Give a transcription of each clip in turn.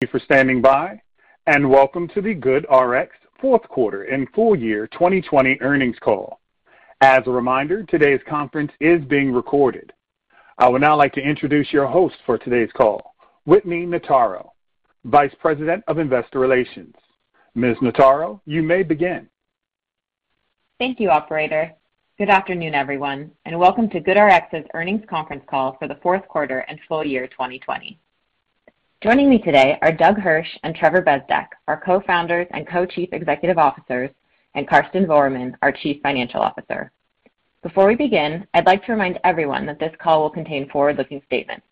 Thank you for standing by, and welcome to the GoodRx fourth quarter and full year 2020 earnings call. As a reminder, today's conference is being recorded. I would now like to introduce your host for today's call, Whitney Notaro, Vice President of Investor Relations. Ms. Notaro, you may begin. Thank you, operator. Good afternoon, everyone, and welcome to GoodRx's earnings conference call for the fourth quarter and full year 2020. Joining me today are Doug Hirsch and Trevor Bezdek, our Co-Founders and Co-Chief Executive Officers, and Karsten Voormann, our Chief Financial Officer. Before we begin, I'd like to remind everyone that this call will contain forward-looking statements.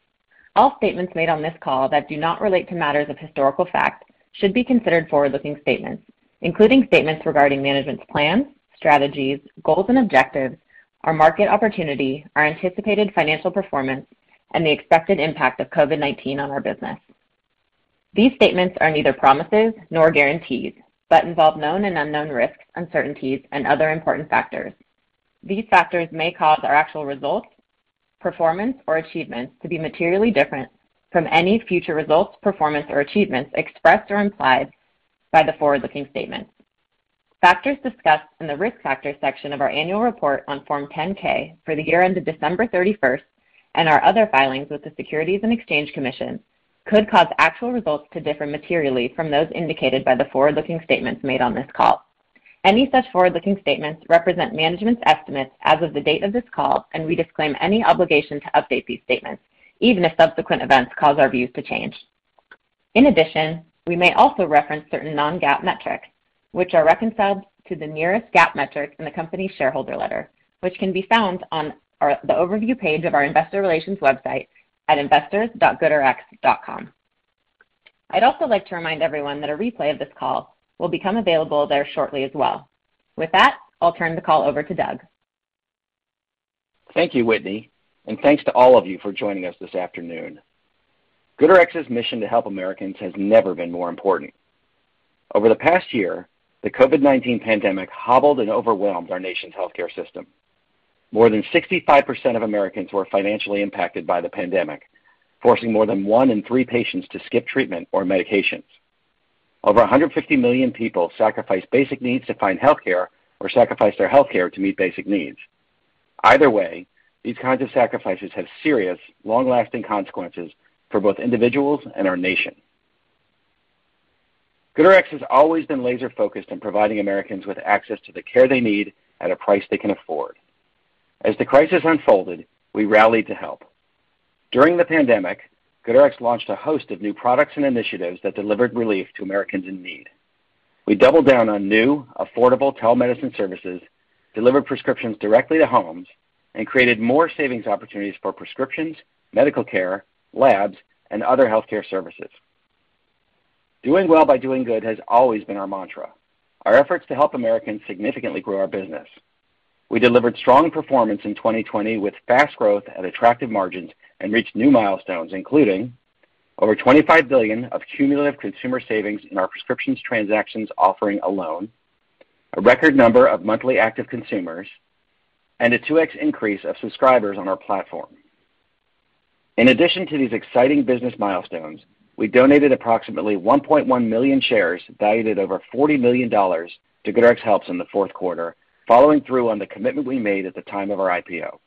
All statements made on this call that do not relate to matters of historical fact should be considered forward-looking statements, including statements regarding management's plans, strategies, goals and objectives, our market opportunity, our anticipated financial performance, and the expected impact of COVID-19 on our business. These statements are neither promises nor guarantees, but involve known and unknown risks, uncertainties and other important factors. These factors may cause our actual results, performance, or achievements to be materially different from any future results, performance or achievements expressed or implied by the forward-looking statements. Factors discussed in the Risk Factors section of our annual report on Form 10-K for the year ended December 31, and our other filings with the Securities and Exchange Commission, could cause actual results to differ materially from those indicated by the forward-looking statements made on this call. Any such forward-looking statements represent management's estimates as of the date of this call, and we disclaim any obligation to update these statements, even if subsequent events cause our views to change. In addition, we may also reference certain non-GAAP metrics, which are reconciled to the nearest GAAP metric in the company's shareholder letter, which can be found on the overview page of our investor relations website at investors.goodrx.com. I'd also like to remind everyone that a replay of this call will become available there shortly as well. With that, I'll turn the call over to Doug. Thank you, Whitney, and thanks to all of you for joining us this afternoon. GoodRx's mission to help Americans has never been more important. Over the past year, the COVID-19 pandemic hobbled and overwhelmed our nation's healthcare system. More than 65% of Americans were financially impacted by the pandemic, forcing more than one in three patients to skip treatment or medications. Over 150 million people sacrificed basic needs to find healthcare, or sacrificed their healthcare to meet basic needs. Either way, these kinds of sacrifices have serious, long-lasting consequences for both individuals and our nation. GoodRx has always been laser focused on providing Americans with access to the care they need at a price they can afford. As the crisis unfolded, we rallied to help. During the pandemic, GoodRx launched a host of new products and initiatives that delivered relief to Americans in need. We doubled down on new, affordable telemedicine services, delivered prescriptions directly to homes, and created more savings opportunities for prescriptions, medical care, labs, and other healthcare services. Doing well by doing good has always been our mantra. Our efforts to help Americans significantly grew our business. We delivered strong performance in 2020 with fast growth at attractive margins and reached new milestones, including over $25 billion of cumulative consumer savings in our prescriptions transactions offering alone, a record number of monthly active consumers, and a 2x increase of subscribers on our platform. In addition to these exciting business milestones, we donated approximately 1.1 million shares, valued at over $40 million, to GoodRx Helps in the fourth quarter, following through on the commitment we made at the time of our IPO.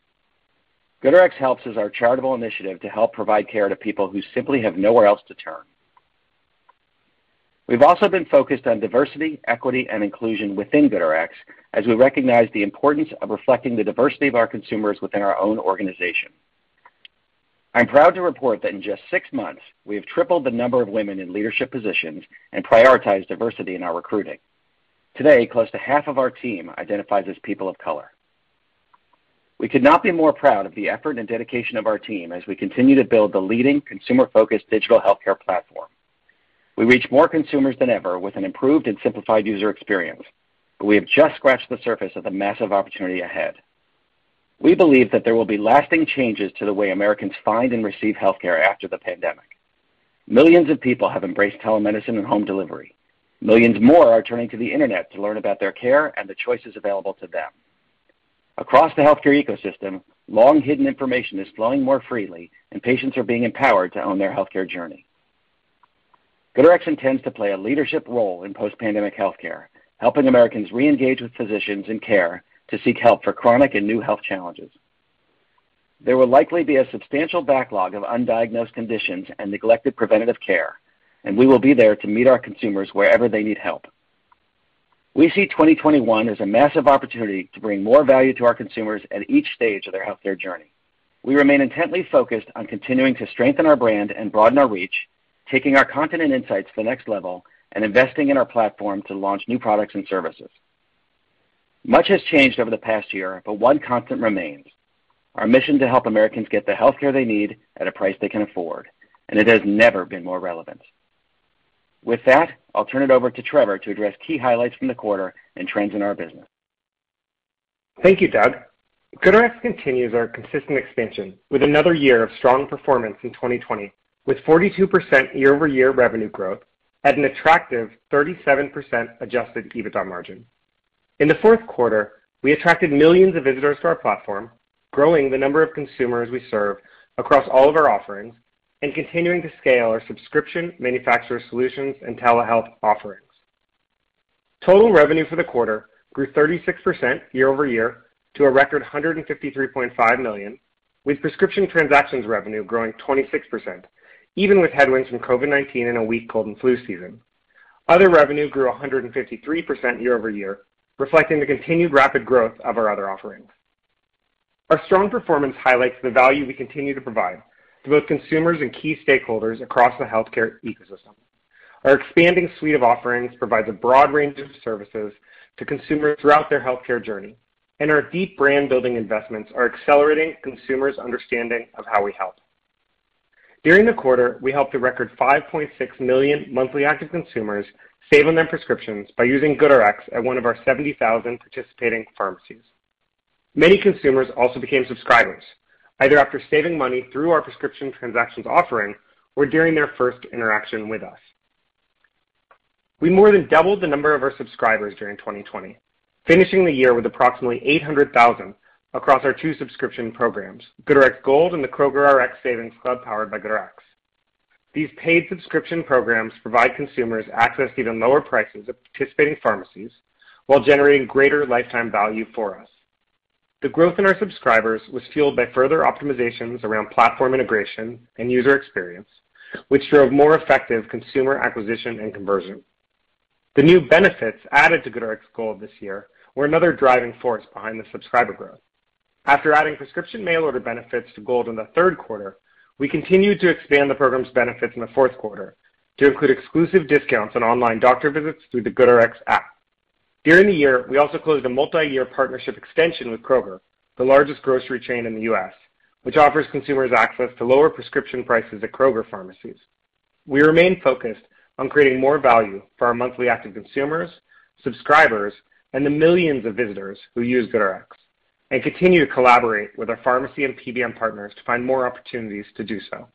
GoodRx Helps is our charitable initiative to help provide care to people who simply have nowhere else to turn. We've also been focused on diversity, equity, and inclusion within GoodRx, as we recognize the importance of reflecting the diversity of our consumers within our own organization. I'm proud to report that in just six months, we have tripled the number of women in leadership positions and prioritized diversity in our recruiting. Today, close to half of our team identifies as people of color. We could not be more proud of the effort and dedication of our team as we continue to build the leading consumer-focused digital healthcare platform. We reach more consumers than ever with an improved and simplified user experience. We have just scratched the surface of the massive opportunity ahead. We believe that there will be lasting changes to the way Americans find and receive healthcare after the pandemic. Millions of people have embraced telemedicine and home delivery. Millions more are turning to the internet to learn about their care and the choices available to them. Across the healthcare ecosystem, long-hidden information is flowing more freely, and patients are being empowered to own their healthcare journey. GoodRx intends to play a leadership role in post-pandemic healthcare, helping Americans reengage with physicians and care to seek help for chronic and new health challenges. There will likely be a substantial backlog of undiagnosed conditions and neglected preventative care, and we will be there to meet our consumers wherever they need help. We see 2021 as a massive opportunity to bring more value to our consumers at each stage of their healthcare journey. We remain intently focused on continuing to strengthen our brand and broaden our reach, taking our content and insights to the next level, and investing in our platform to launch new products and services. Much has changed over the past year, but one constant remains: Our mission to help Americans get the healthcare they need at a price they can afford, and it has never been more relevant. With that, I'll turn it over to Trevor to address key highlights from the quarter and trends in our business. Thank you, Doug. GoodRx continues our consistent expansion with another year of strong performance in 2020, with 42% year-over-year revenue growth at an attractive 37% Adjusted EBITDA margin. In the fourth quarter, we attracted millions of visitors to our platform, growing the number of consumers we serve across all of our offerings and continuing to scale our subscription manufacturer solutions and telehealth offerings. Total revenue for the quarter grew 36% year-over-year to a record $153.5 million, with prescription transactions revenue growing 26%, even with headwinds from COVID-19 and a weak cold and flu season. Other revenue grew 153% year-over-year, reflecting the continued rapid growth of our other offerings. Our strong performance highlights the value we continue to provide to both consumers and key stakeholders across the healthcare ecosystem. Our expanding suite of offerings provides a broad range of services to consumers throughout their healthcare journey, and our deep brand building investments are accelerating consumers' understanding of how we help. During the quarter, we helped a record 5.6 million monthly active consumers save on their prescriptions by using GoodRx at one of our 70,000 participating pharmacies. Many consumers also became subscribers, either after saving money through our prescription transactions offering or during their first interaction with us. We more than doubled the number of our subscribers during 2020, finishing the year with approximately 800,000 across our two subscription programs, GoodRx Gold and the Kroger Rx Savings Club, powered by GoodRx. These paid subscription programs provide consumers access to even lower prices at participating pharmacies while generating greater lifetime value for us. The growth in our subscribers was fueled by further optimizations around platform integration and user experience, which drove more effective consumer acquisition and conversion. The new benefits added to GoodRx Gold this year were another driving force behind the subscriber growth. After adding prescription mail order benefits to Gold in the third quarter, we continued to expand the program's benefits in the fourth quarter to include exclusive discounts on online doctor visits through the GoodRx app. During the year, we also closed a multi-year partnership extension with Kroger, the largest grocery chain in the U.S., which offers consumers access to lower prescription prices at Kroger pharmacies. We remain focused on creating more value for our monthly active consumers, subscribers, and the millions of visitors who use GoodRx and continue to collaborate with our pharmacy and PBM partners to find more opportunities to do so.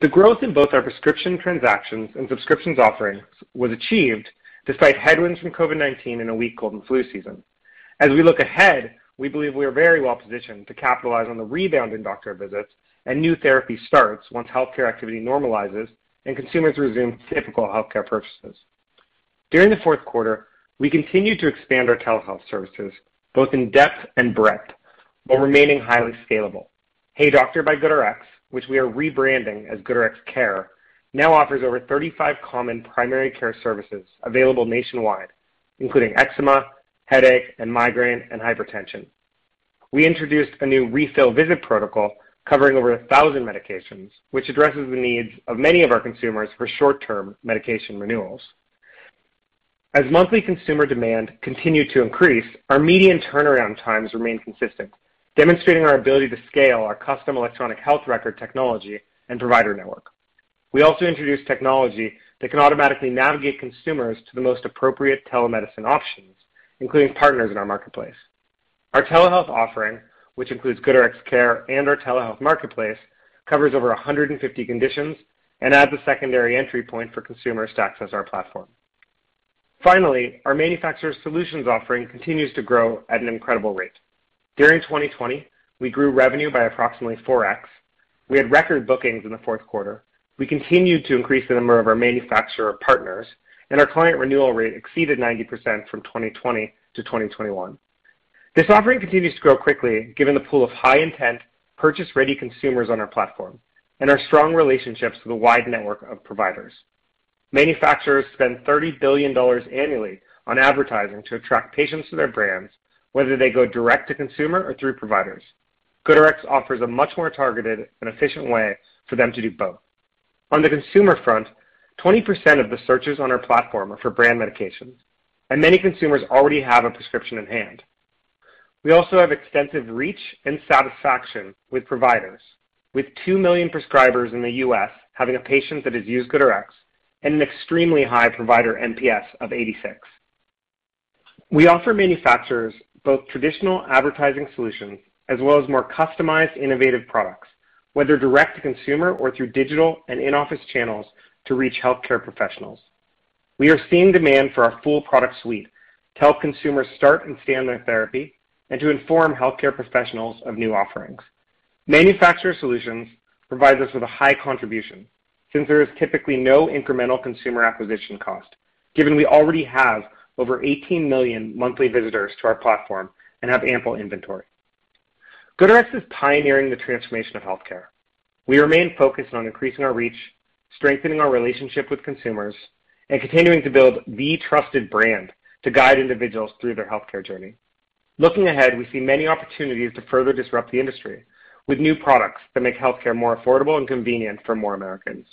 The growth in both our prescription transactions and subscriptions offerings was achieved despite headwinds from COVID-19 and a weak cold and flu season. As we look ahead, we believe we are very well positioned to capitalize on the rebound in doctor visits and new therapy starts once healthcare activity normalizes and consumers resume typical healthcare purchases. During the fourth quarter, we continued to expand our telehealth services both in depth and breadth while remaining highly scalable. HeyDoctor by GoodRx, which we are rebranding as GoodRx Care, now offers over 35 common primary care services available nationwide, including eczema, headache, and migraine, and hypertension. We introduced a new refill visit protocol covering over 1,000 medications, which addresses the needs of many of our consumers for short-term medication renewals. As monthly consumer demand continued to increase, our median turnaround times remain consistent, demonstrating our ability to scale our custom electronic health record technology and provider network. We also introduced technology that can automatically navigate consumers to the most appropriate telemedicine options, including partners in our marketplace. Our telehealth offering, which includes GoodRx Care and our telehealth marketplace, covers over 150 conditions and adds a secondary entry point for consumers to access our platform. Finally, our manufacturer solutions offering continues to grow at an incredible rate. During 2020, we grew revenue by approximately 4x. We had record bookings in the fourth quarter. We continued to increase the number of our manufacturer partners, and our client renewal rate exceeded 90% from 2020-2021. This offering continues to grow quickly given the pool of high-intent, purchase-ready consumers on our platform and our strong relationships with a wide network of providers. Manufacturers spend $30 billion annually on advertising to attract patients to their brands, whether they go direct to consumer or through providers. GoodRx offers a much more targeted and efficient way for them to do both. On the consumer front, 20% of the searches on our platform are for brand medications, and many consumers already have a prescription in hand. We also have extensive reach and satisfaction with providers, with 2 million prescribers in the U.S. having a patient that has used GoodRx and an extremely high provider NPS of 86. We offer manufacturers both traditional advertising solutions as well as more customized, innovative products, whether direct to consumer or through digital and in-office channels to reach healthcare professionals. We are seeing demand for our full product suite to help consumers start and stay on their therapy and to inform healthcare professionals of new offerings. Manufacturer solutions provides us with a high contribution since there is typically no incremental consumer acquisition cost, given we already have over 18 million monthly visitors to our platform and have ample inventory. GoodRx is pioneering the transformation of healthcare. We remain focused on increasing our reach, strengthening our relationship with consumers, and continuing to build the trusted brand to guide individuals through their healthcare journey. Looking ahead, we see many opportunities to further disrupt the industry with new products that make healthcare more affordable and convenient for more Americans.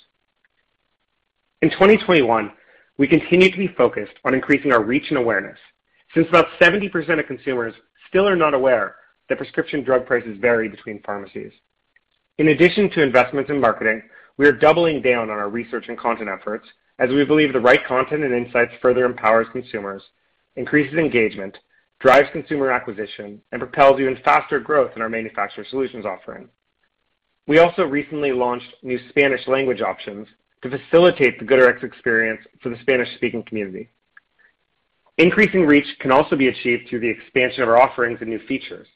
In 2021, we continue to be focused on increasing our reach and awareness since about 70% of consumers still are not aware that prescription drug prices vary between pharmacies. In addition to investments in marketing, we are doubling down on our research and content efforts as we believe the right content and insights further empowers consumers, increases engagement, drives consumer acquisition, and propels even faster growth in our manufacturer solutions offering. We also recently launched new Spanish language options to facilitate the GoodRx experience for the Spanish-speaking community. Increasing reach can also be achieved through the expansion of our offerings and new features.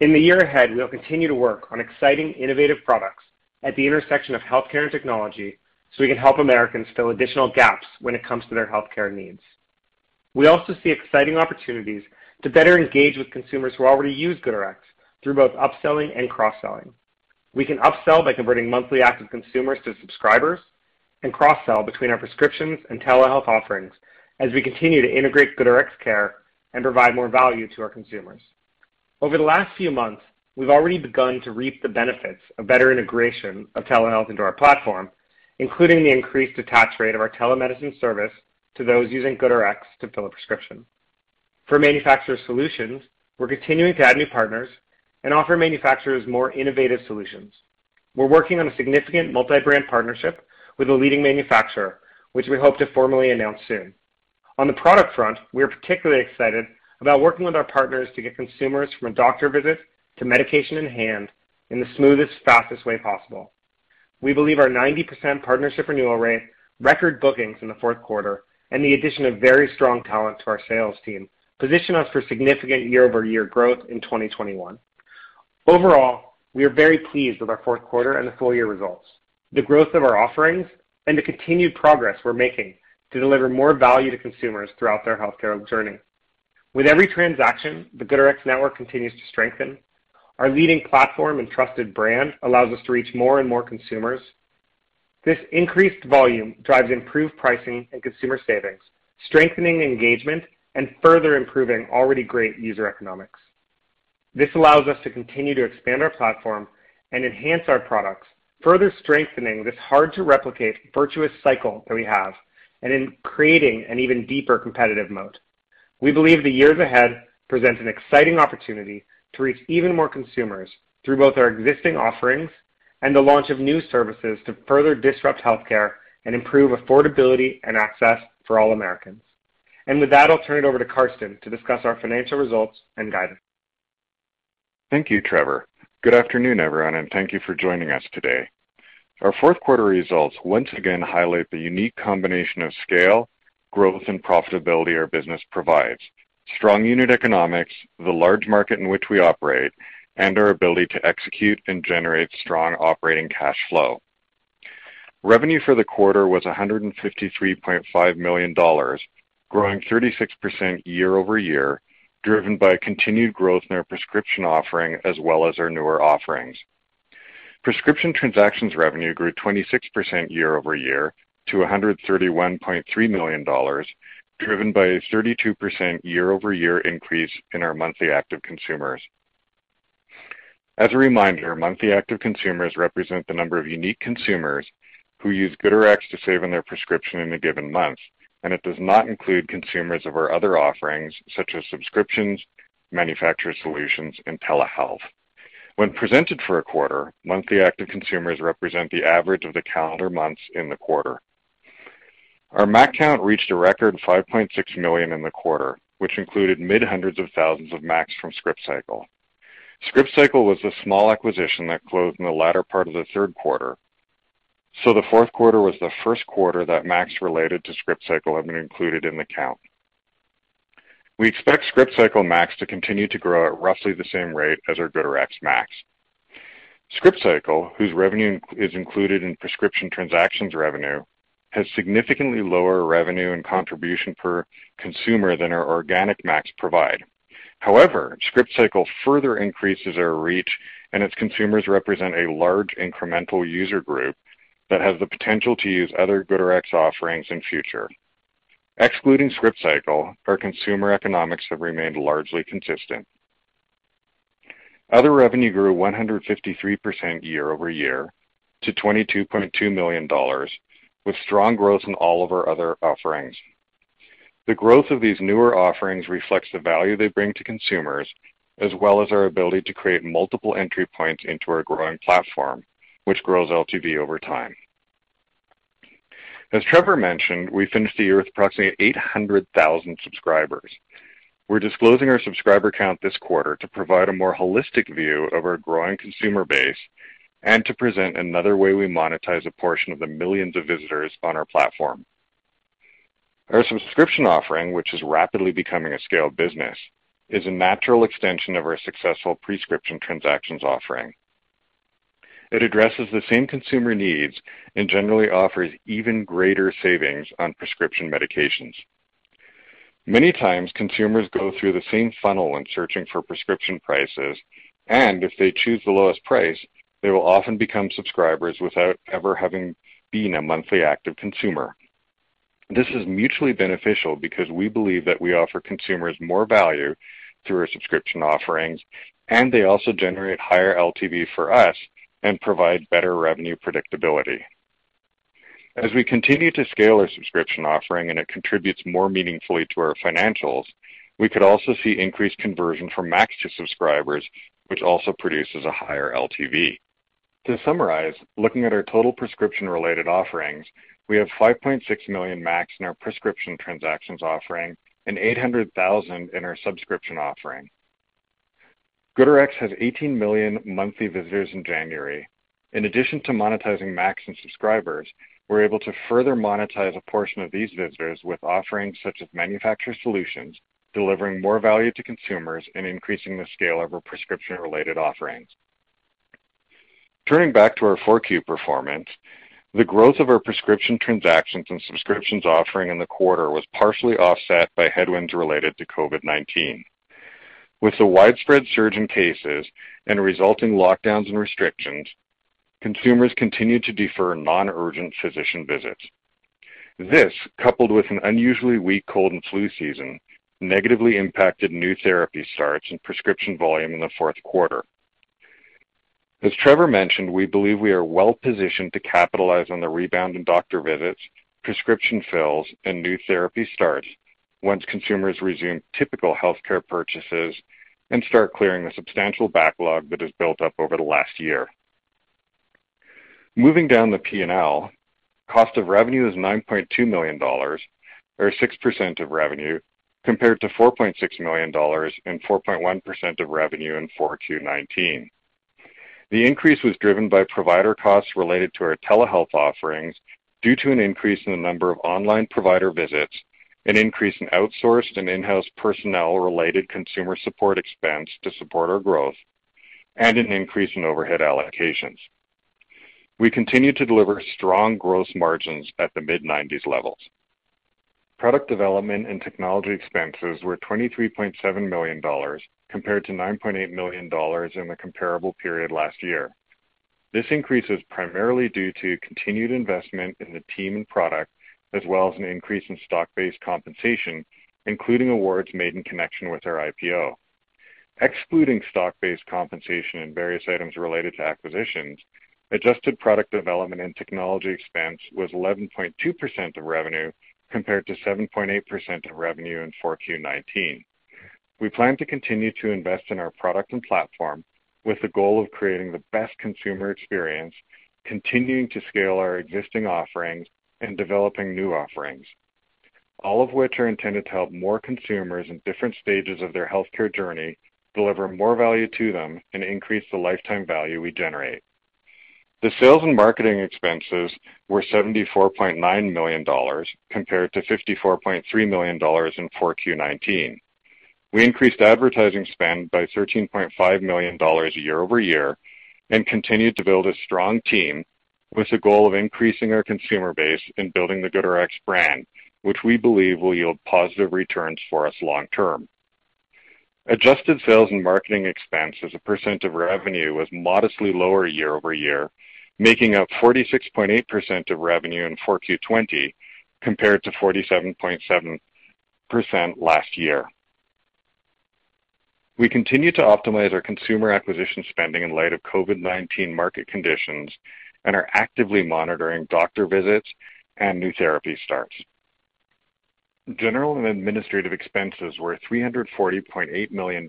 In the year ahead, we'll continue to work on exciting, innovative products at the intersection of healthcare and technology, so we can help Americans fill additional gaps when it comes to their healthcare needs. We also see exciting opportunities to better engage with consumers who already use GoodRx, through both upselling and cross-selling. We can upsell by converting monthly active consumers to subscribers, and cross-sell between our prescriptions and telehealth offerings as we continue to integrate GoodRx Care and provide more value to our consumers. Over the last few months, we've already begun to reap the benefits of better integration of telehealth into our platform, including the increased attach rate of our telemedicine service to those using GoodRx to fill a prescription. For manufacturer solutions, we're continuing to add new partners and offer manufacturers more innovative solutions. We're working on a significant multi-brand partnership with a leading manufacturer, which we hope to formally announce soon. On the product front, we are particularly excited about working with our partners to get consumers from a doctor visit to medication in hand in the smoothest, fastest way possible. We believe our 90% partnership renewal rate, record bookings in the fourth quarter, and the addition of very strong talent to our sales team, position us for significant year-over-year growth in 2021. Overall, we are very pleased with our fourth quarter and the full-year results, the growth of our offerings, and the continued progress we're making to deliver more value to consumers throughout their healthcare journey. With every transaction, the GoodRx network continues to strengthen. Our leading platform and trusted brand allows us to reach more and more consumers. This increased volume drives improved pricing and consumer savings, strengthening engagement, and further improving already great user economics. This allows us to continue to expand our platform and enhance our products, further strengthening this hard-to-replicate virtuous cycle that we have, and in creating an even deeper competitive moat. We believe the years ahead present an exciting opportunity to reach even more consumers through both our existing offerings and the launch of new services to further disrupt healthcare and improve affordability and access for all Americans. With that, I'll turn it over to Karsten to discuss our financial results and guidance. Thank you, Trevor. Good afternoon, everyone, and thank you for joining us today. Our fourth quarter results once again highlight the unique combination of scale, growth, and profitability our business provides. Strong unit economics, the large market in which we operate, and our ability to execute and generate strong operating cash flow. Revenue for the quarter was $153.5 million, growing 36% year-over-year, driven by a continued growth in our prescription offering as well as our newer offerings. Prescription transactions revenue grew 26% year-over-year to $131.3 million, driven by a 32% year-over-year increase in our monthly active consumers. As a reminder, monthly active consumers represent the number of unique consumers who use GoodRx to save on their prescription in a given month, and it does not include consumers of our other offerings such as subscriptions, manufacturer solutions, and telehealth. When presented for a quarter, monthly active consumers represent the average of the calendar months in the quarter. Our MAC count reached a record 5.6 million in the quarter, which included mid-hundreds of thousands of MACs from ScriptCycle. ScriptCycle was a small acquisition that closed in the latter part of the third quarter, so the fourth quarter was the first quarter that MACs related to ScriptCycle have been included in the count. We expect ScriptCycle MACs to continue to grow at roughly the same rate as our GoodRx MACs. ScriptCycle, whose revenue is included in prescription transactions revenue, has significantly lower revenue and contribution per consumer than our organic MACs provide. However, ScriptCycle further increases our reach, and its consumers represent a large incremental user group that has the potential to use other GoodRx offerings in future. Excluding ScriptCycle, our consumer economics have remained largely consistent. Other revenue grew 153% year over year to $22.2 million, with strong growth in all of our other offerings. The growth of these newer offerings reflects the value they bring to consumers, as well as our ability to create multiple entry points into our growing platform, which grows LTV over time. As Trevor mentioned, we finished the year with approximately 800,000 subscribers. We're disclosing our subscriber count this quarter to provide a more holistic view of our growing consumer base and to present another way we monetize a portion of the millions of visitors on our platform. Our subscription offering, which is rapidly becoming a scaled business, is a natural extension of our successful prescription transactions offering. It addresses the same consumer needs and generally offers even greater savings on prescription medications. Many times, consumers go through the same funnel when searching for prescription prices, and if they choose the lowest price, they will often become subscribers without ever having been a monthly active consumer. This is mutually beneficial because we believe that we offer consumers more value through our subscription offerings, and they also generate higher LTV for us and provide better revenue predictability. As we continue to scale our subscription offering and it contributes more meaningfully to our financials, we could also see increased conversion from MACs to subscribers, which also produces a higher LTV. To summarize, looking at our total prescription-related offerings, we have 5.6 million MACs in our prescription transactions offering and 800,000 in our subscription offering. GoodRx had 18 million monthly visitors in January. In addition to monetizing MAC and subscribers, we're able to further monetize a portion of these visitors with offerings such as manufacturer solutions, delivering more value to consumers and increasing the scale of our prescription-related offerings. Turning back to our Q4 performance, the growth of our prescription transactions and subscriptions offering in the quarter was partially offset by headwinds related to COVID-19. With the widespread surge in cases and resulting lockdowns and restrictions, consumers continued to defer non-urgent physician visits. This, coupled with an unusually weak cold and flu season, negatively impacted new therapy starts and prescription volume in the fourth quarter. As Trevor mentioned, we believe we are well-positioned to capitalize on the rebound in doctor visits, prescription fills, and new therapy starts once consumers resume typical healthcare purchases and start clearing the substantial backlog that has built up over the last year. Moving down the P&L, cost of revenue is $9.2 million, or 6% of revenue, compared to $4.6 million and 4.1% of revenue in 4Q19. The increase was driven by provider costs related to our telehealth offerings due to an increase in the number of online provider visits, an increase in outsourced and in-house personnel-related consumer support expense to support our growth, and an increase in overhead allocations. We continue to deliver strong gross margins at the mid-90s levels. Product development and technology expenses were $23.7 million compared to $9.8 million in the comparable period last year. This increase is primarily due to continued investment in the team and product, as well as an increase in stock-based compensation, including awards made in connection with our IPO. Excluding stock-based compensation and various items related to acquisitions, adjusted product development and technology expense was 11.2% of revenue compared to 7.8% of revenue in Q4 2019. We plan to continue to invest in our product and platform with the goal of creating the best consumer experience, continuing to scale our existing offerings and developing new offerings, all of which are intended to help more consumers in different stages of their healthcare journey deliver more value to them and increase the lifetime value we generate. The sales and marketing expenses were $74.9 million compared to $54.3 million in Q4 2019. We increased advertising spend by $13.5 million year-over-year and continued to build a strong team with the goal of increasing our consumer base and building the GoodRx brand, which we believe will yield positive returns for us long term. Adjusted sales and marketing expense as a percent of revenue was modestly lower year-over-year, making up 46.8% of revenue in 4Q20 compared to 47.7% last year. We continue to optimize our consumer acquisition spending in light of COVID-19 market conditions and are actively monitoring doctor visits and new therapy starts. General and administrative expenses were $340.8 million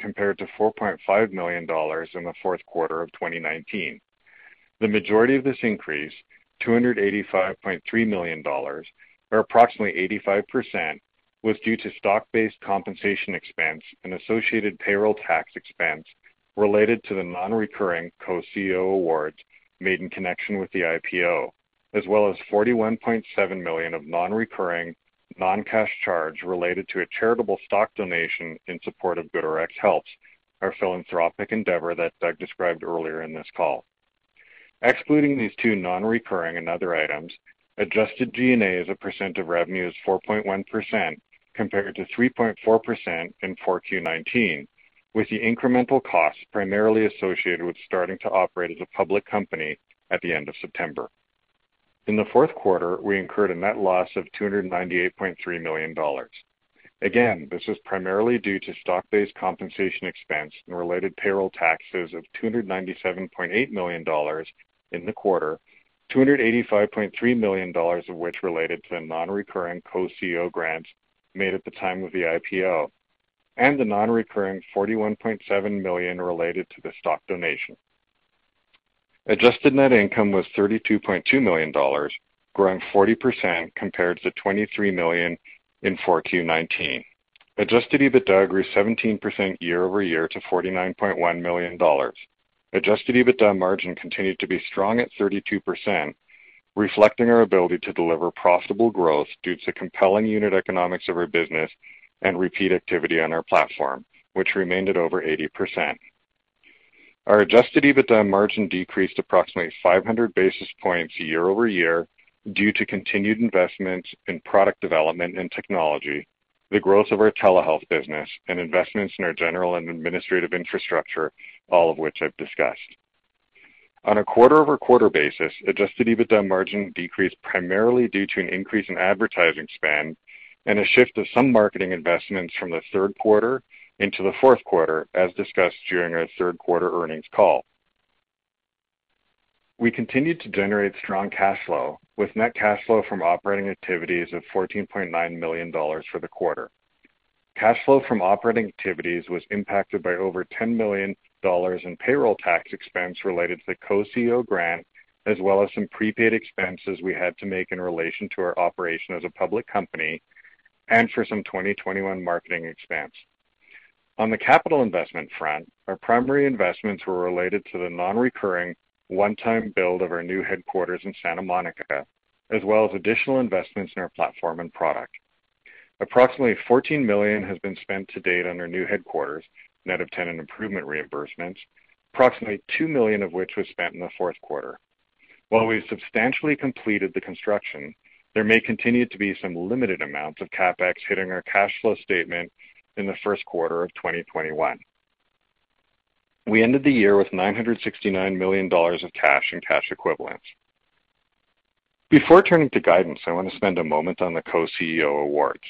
compared to $4.5 million in the fourth quarter of 2019. The majority of this increase, $285.3 million, or approximately 85%, was due to stock-based compensation expense and associated payroll tax expense related to the non-recurring co-CEO awards made in connection with the IPO, as well as $41.7 million of non-recurring, non-cash charge related to a charitable stock donation in support of GoodRx Helps, our philanthropic endeavor that Doug described earlier in this call. Excluding these two non-recurring and other items, adjusted G&A as a percent of revenue is 4.1% compared to 3.4% in 4Q 2019, with the incremental costs primarily associated with starting to operate as a public company at the end of September. In the fourth quarter, we incurred a net loss of $298.3 million. Again, this is primarily due to stock-based compensation expense and related payroll taxes of $297.8 million in the quarter, $285.3 million of which related to the non-recurring co-CEO grants made at the time of the IPO, and the non-recurring $41.7 million related to the stock donation. Adjusted net income was $32.2 million, growing 40% compared to $23 million in 4Q 2019. Adjusted EBITDA grew 17% year-over-year to $49.1 million. Adjusted EBITDA margin continued to be strong at 32%, reflecting our ability to deliver profitable growth due to compelling unit economics of our business and repeat activity on our platform, which remained at over 80%. Our Adjusted EBITDA margin decreased approximately 500 basis points year-over-year due to continued investments in product development and technology, the growth of our telehealth business, and investments in our general and administrative infrastructure, all of which I've discussed. On a quarter-over-quarter basis, adjusted EBITDA margin decreased primarily due to an increase in advertising spend and a shift of some marketing investments from the third quarter into the fourth quarter, as discussed during our third quarter earnings call. We continued to generate strong cash flow with net cash flow from operating activities of $14.9 million for the quarter. Cash flow from operating activities was impacted by over $10 million in payroll tax expense related to the Co-CEO grant, as well as some prepaid expenses we had to make in relation to our operation as a public company. For some 2021 marketing expense. On the capital investment front, our primary investments were related to the non-recurring one-time build of our new headquarters in Santa Monica, as well as additional investments in our platform and product. Approximately $14 million has been spent to date on our new headquarters, net of tenant improvement reimbursements, approximately $2 million of which was spent in the fourth quarter. While we've substantially completed the construction, there may continue to be some limited amounts of CapEx hitting our cash flow statement in the first quarter of 2021. We ended the year with $969 million of cash and cash equivalents. Before turning to guidance, I want to spend a moment on the co-CEO awards.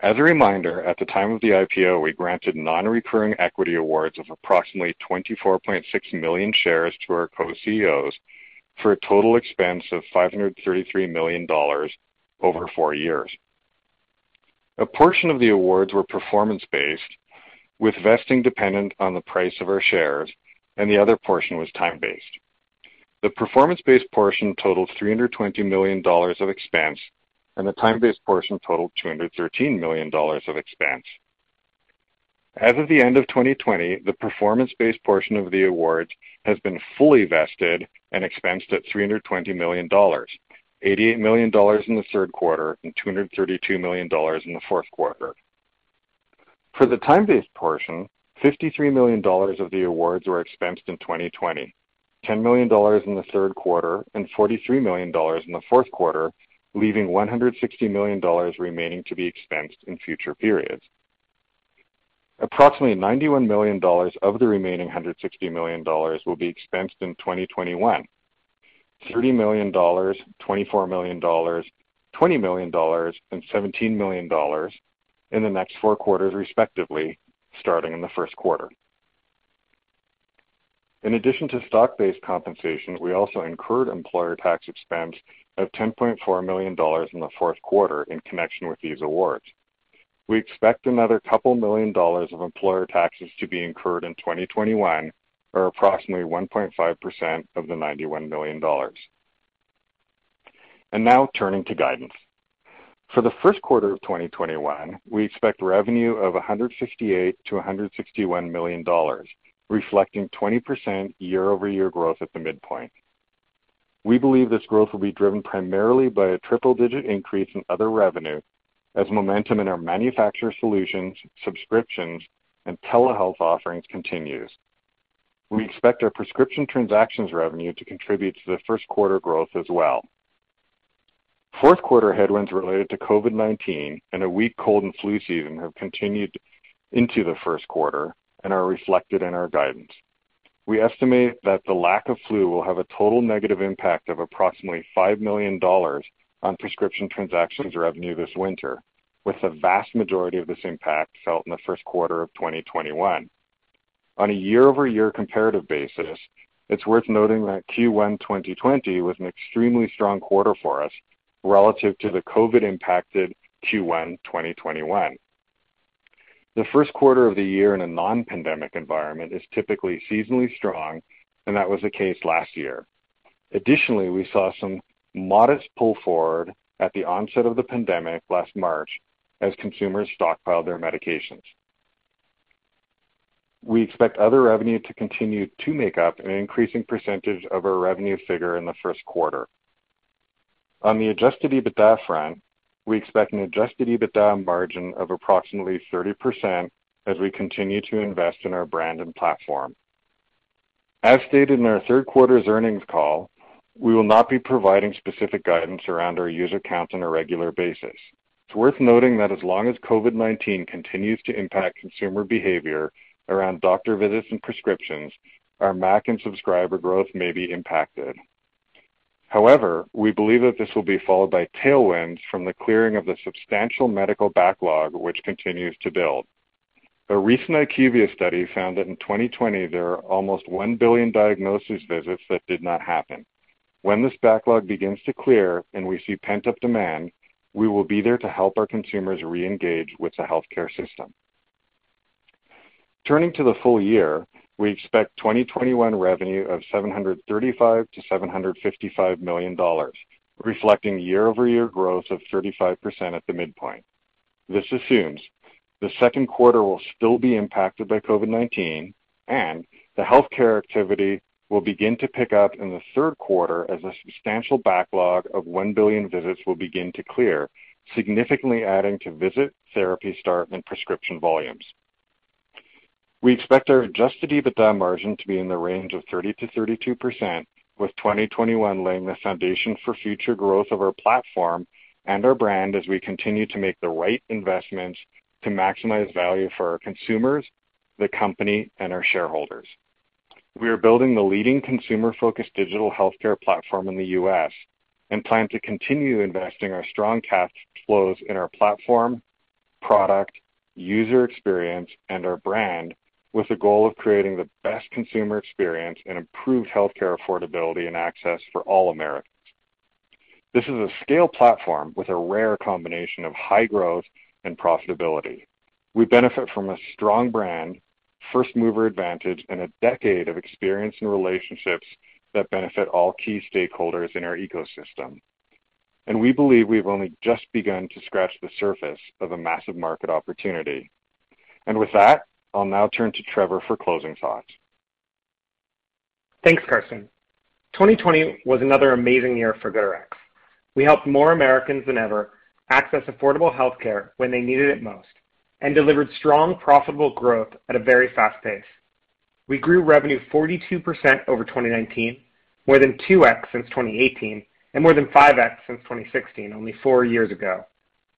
As a reminder, at the time of the IPO, we granted non-recurring equity awards of approximately 24.6 million shares to our co-CEOs for a total expense of $533 million over four years. A portion of the awards were performance-based, with vesting dependent on the price of our shares, and the other portion was time-based. The performance-based portion totaled $320 million of expense, and the time-based portion totaled $213 million of expense. As of the end of 2020, the performance-based portion of the awards has been fully vested and expensed at $320 million, $88 million in the third quarter and $232 million in the fourth quarter. For the time-based portion, $53 million of the awards were expensed in 2020, $10 million in the third quarter and $43 million in the fourth quarter, leaving $160 million remaining to be expensed in future periods. Approximately $91 million of the remaining $160 million will be expensed in 2021. $30 million, $24 million, $20 million, and $17 million in the next four quarters respectively, starting in the first quarter. In addition to stock-based compensation, we also incurred employer tax expense of $10.4 million in the fourth quarter in connection with these awards. We expect another couple million dollars of employer taxes to be incurred in 2021, or approximately 1.5% of the $91 million. Now turning to guidance. For the first quarter of 2021, we expect revenue of $168 million-$161 million, reflecting 20% year-over-year growth at the midpoint. We believe this growth will be driven primarily by a triple-digit increase in other revenue as momentum in our manufacturer solutions, subscriptions, and telehealth offerings continues. We expect our prescription transactions revenue to contribute to the first quarter growth as well. Fourth quarter headwinds related to COVID-19 and a weak cold and flu season have continued into the first quarter and are reflected in our guidance. We estimate that the lack of flu will have a total negative impact of approximately $5 million on prescription transactions revenue this winter, with the vast majority of this impact felt in the first quarter of 2021. On a year-over-year comparative basis, it's worth noting that Q1 2020 was an extremely strong quarter for us relative to the COVID impacted Q1 2021. The first quarter of the year in a non-pandemic environment is typically seasonally strong, and that was the case last year. Additionally, we saw some modest pull forward at the onset of the pandemic last March as consumers stockpiled their medications. We expect other revenue to continue to make up an increasing percentage of our revenue figure in the first quarter. On the Adjusted EBITDA front, we expect an Adjusted EBITDA margin of approximately 30% as we continue to invest in our brand and platform. As stated in our third quarter's earnings call, we will not be providing specific guidance around our user counts on a regular basis. It's worth noting that as long as COVID-19 continues to impact consumer behavior around doctor visits and prescriptions, our MAC and subscriber growth may be impacted. However, we believe that this will be followed by tailwinds from the clearing of the substantial medical backlog which continues to build. A recent IQVIA study found that in 2020, there are almost 1 billion diagnosis visits that did not happen. When this backlog begins to clear and we see pent-up demand, we will be there to help our consumers re-engage with the healthcare system. Turning to the full year, we expect 2021 revenue of $735 million-$755 million, reflecting year-over-year growth of 35% at the midpoint. This assumes the second quarter will still be impacted by COVID-19 and the healthcare activity will begin to pick up in the third quarter as a substantial backlog of 1 billion visits will begin to clear, significantly adding to visit, therapy start, and prescription volumes. We expect our Adjusted EBITDA margin to be in the range of 30%-32%, with 2021 laying the foundation for future growth of our platform and our brand as we continue to make the right investments to maximize value for our consumers, the company, and our shareholders. We are building the leading consumer-focused digital healthcare platform in the U.S. and plan to continue investing our strong cash flows in our platform, product, user experience, and our brand with the goal of creating the best consumer experience and improved healthcare affordability and access for all Americans. This is a scale platform with a rare combination of high growth and profitability. We benefit from a strong brand First mover advantage and a decade of experience and relationships that benefit all key stakeholders in our ecosystem. We believe we've only just begun to scratch the surface of a massive market opportunity. With that, I'll now turn to Trevor for closing thoughts. Thanks, Karsten. 2020 was another amazing year for GoodRx. We helped more Americans than ever access affordable healthcare when they needed it most and delivered strong, profitable growth at a very fast pace. We grew revenue 42% over 2019, more than 2x since 2018, and more than 5x since 2016, only four years ago.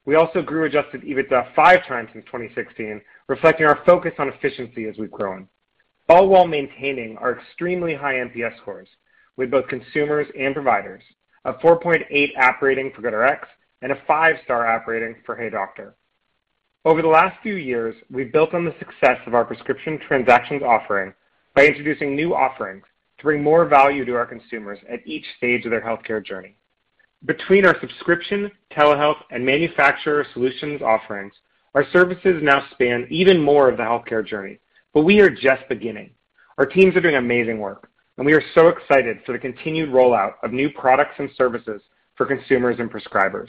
We also grew Adjusted EBITDA five times since 2016, reflecting our focus on efficiency as we've grown, all while maintaining our extremely high NPS scores with both consumers and providers, a 4.8 app rating for GoodRx, and a 5-star app rating for HeyDoctor. Over the last few years, we've built on the success of our prescription transactions offering by introducing new offerings to bring more value to our consumers at each stage of their healthcare journey. Between our subscription, telehealth, and manufacturer solutions offerings, our services now span even more of the healthcare journey. We are just beginning. Our teams are doing amazing work, and we are so excited for the continued rollout of new products and services for consumers and prescribers.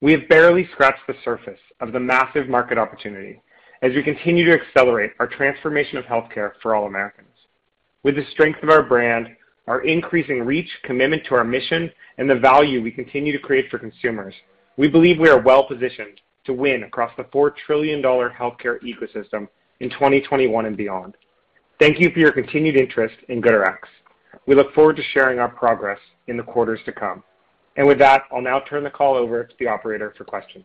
We have barely scratched the surface of the massive market opportunity as we continue to accelerate our transformation of healthcare for all Americans. With the strength of our brand, our increasing reach, commitment to our mission, and the value we continue to create for consumers, we believe we are well-positioned to win across the $4 trillion healthcare ecosystem in 2021 and beyond. Thank you for your continued interest in GoodRx. We look forward to sharing our progress in the quarters to come. With that, I'll now turn the call over to the operator for questions.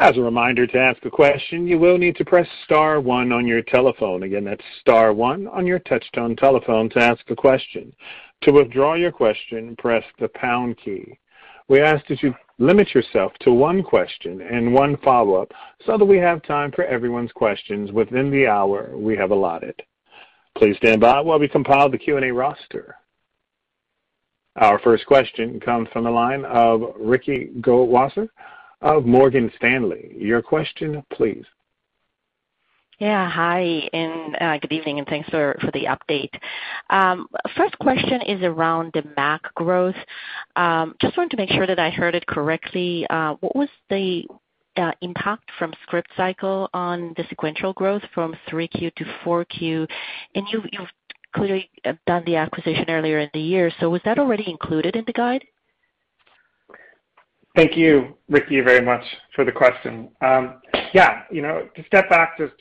As a reminder, to ask a question, you will need to press star one on your telephone. Again, that's star one on your touch-tone telephone to ask a question. To withdraw your question, press the pound key. We ask that you limit yourself to one question and one follow-up so that we have time for everyone's questions within the hour we have allotted. Please stand by while we compile the Q&A roster. Our first question comes from the line of Ricky Goldwasser of Morgan Stanley. Your question, please. Yeah. Hi, good evening, and thanks for the update. First question is around the MAC growth. Just wanted to make sure that I heard it correctly. What was the impact from ScriptCycle on the sequential growth from 3Q to 4Q? You've clearly done the acquisition earlier in the year, so was that already included in the guide? Thank you, Ricky, very much for the question. To step back just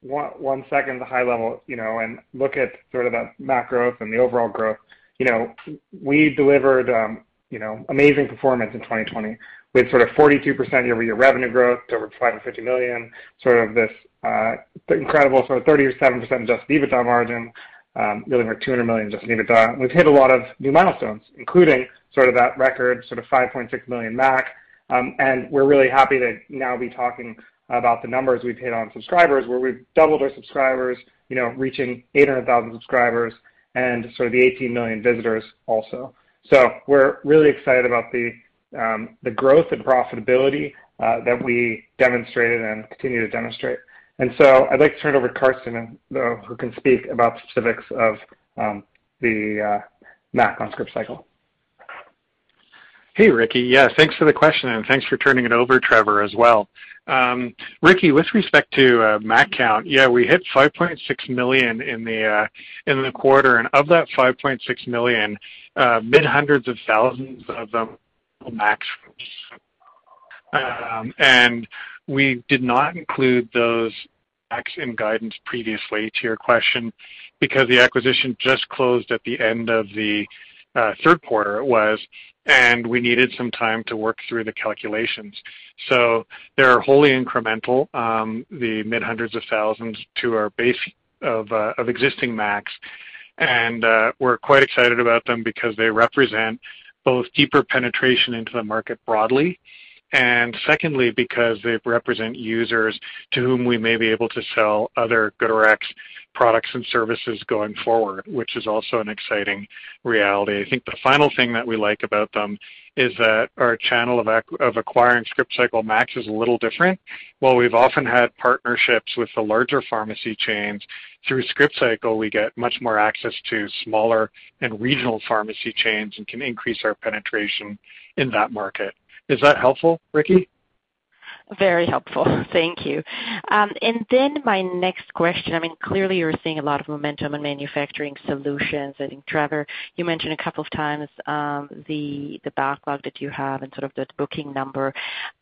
one second to high-level and look at that MAC growth and the overall growth, we delivered amazing performance in 2020 with 42% year-over-year revenue growth to over $550 million. This incredible 37% Adjusted EBITDA margin, delivering over $200 million Adjusted EBITDA. We've hit a lot of new milestones, including that record 5.6 million MAC, and we're really happy to now be talking about the numbers we've hit on subscribers, where we've doubled our subscribers, reaching 800,000 subscribers and the 18 million visitors also. We're really excited about the growth and profitability that we demonstrated and continue to demonstrate. I'd like to turn it over to Karsten, who can speak about specifics of the MAC on ScriptCycle. Ricky, thanks for the question, thanks for turning it over Trevor as well. Ricky, with respect to MAC count, we hit $5.6 million in the quarter. Of that $5.6 million, mid-hundreds of thousands of them were MACs from Scriptcycle. We did not include those MACs in guidance previously to your question because the acquisition just closed at the end of the third quarter, we needed some time to work through the calculations. They are wholly incremental, the mid-hundreds of thousands to our base of existing MACs. We're quite excited about them because they represent both deeper penetration into the market broadly, secondly, because they represent users to whom we may be able to sell other GoodRx products and services going forward, which is also an exciting reality. I think the final thing that we like about them is that our channel of acquiring ScriptCycle MACs is a little different. While we've often had partnerships with the larger pharmacy chains, through ScriptCycle, we get much more access to smaller and regional pharmacy chains and can increase our penetration in that market. Is that helpful, Ricky? Very helpful. Thank you. My next question, I mean, clearly you're seeing a lot of momentum in manufacturing solutions, and Trevor, you mentioned a couple of times the backlog that you have and sort of that booking number.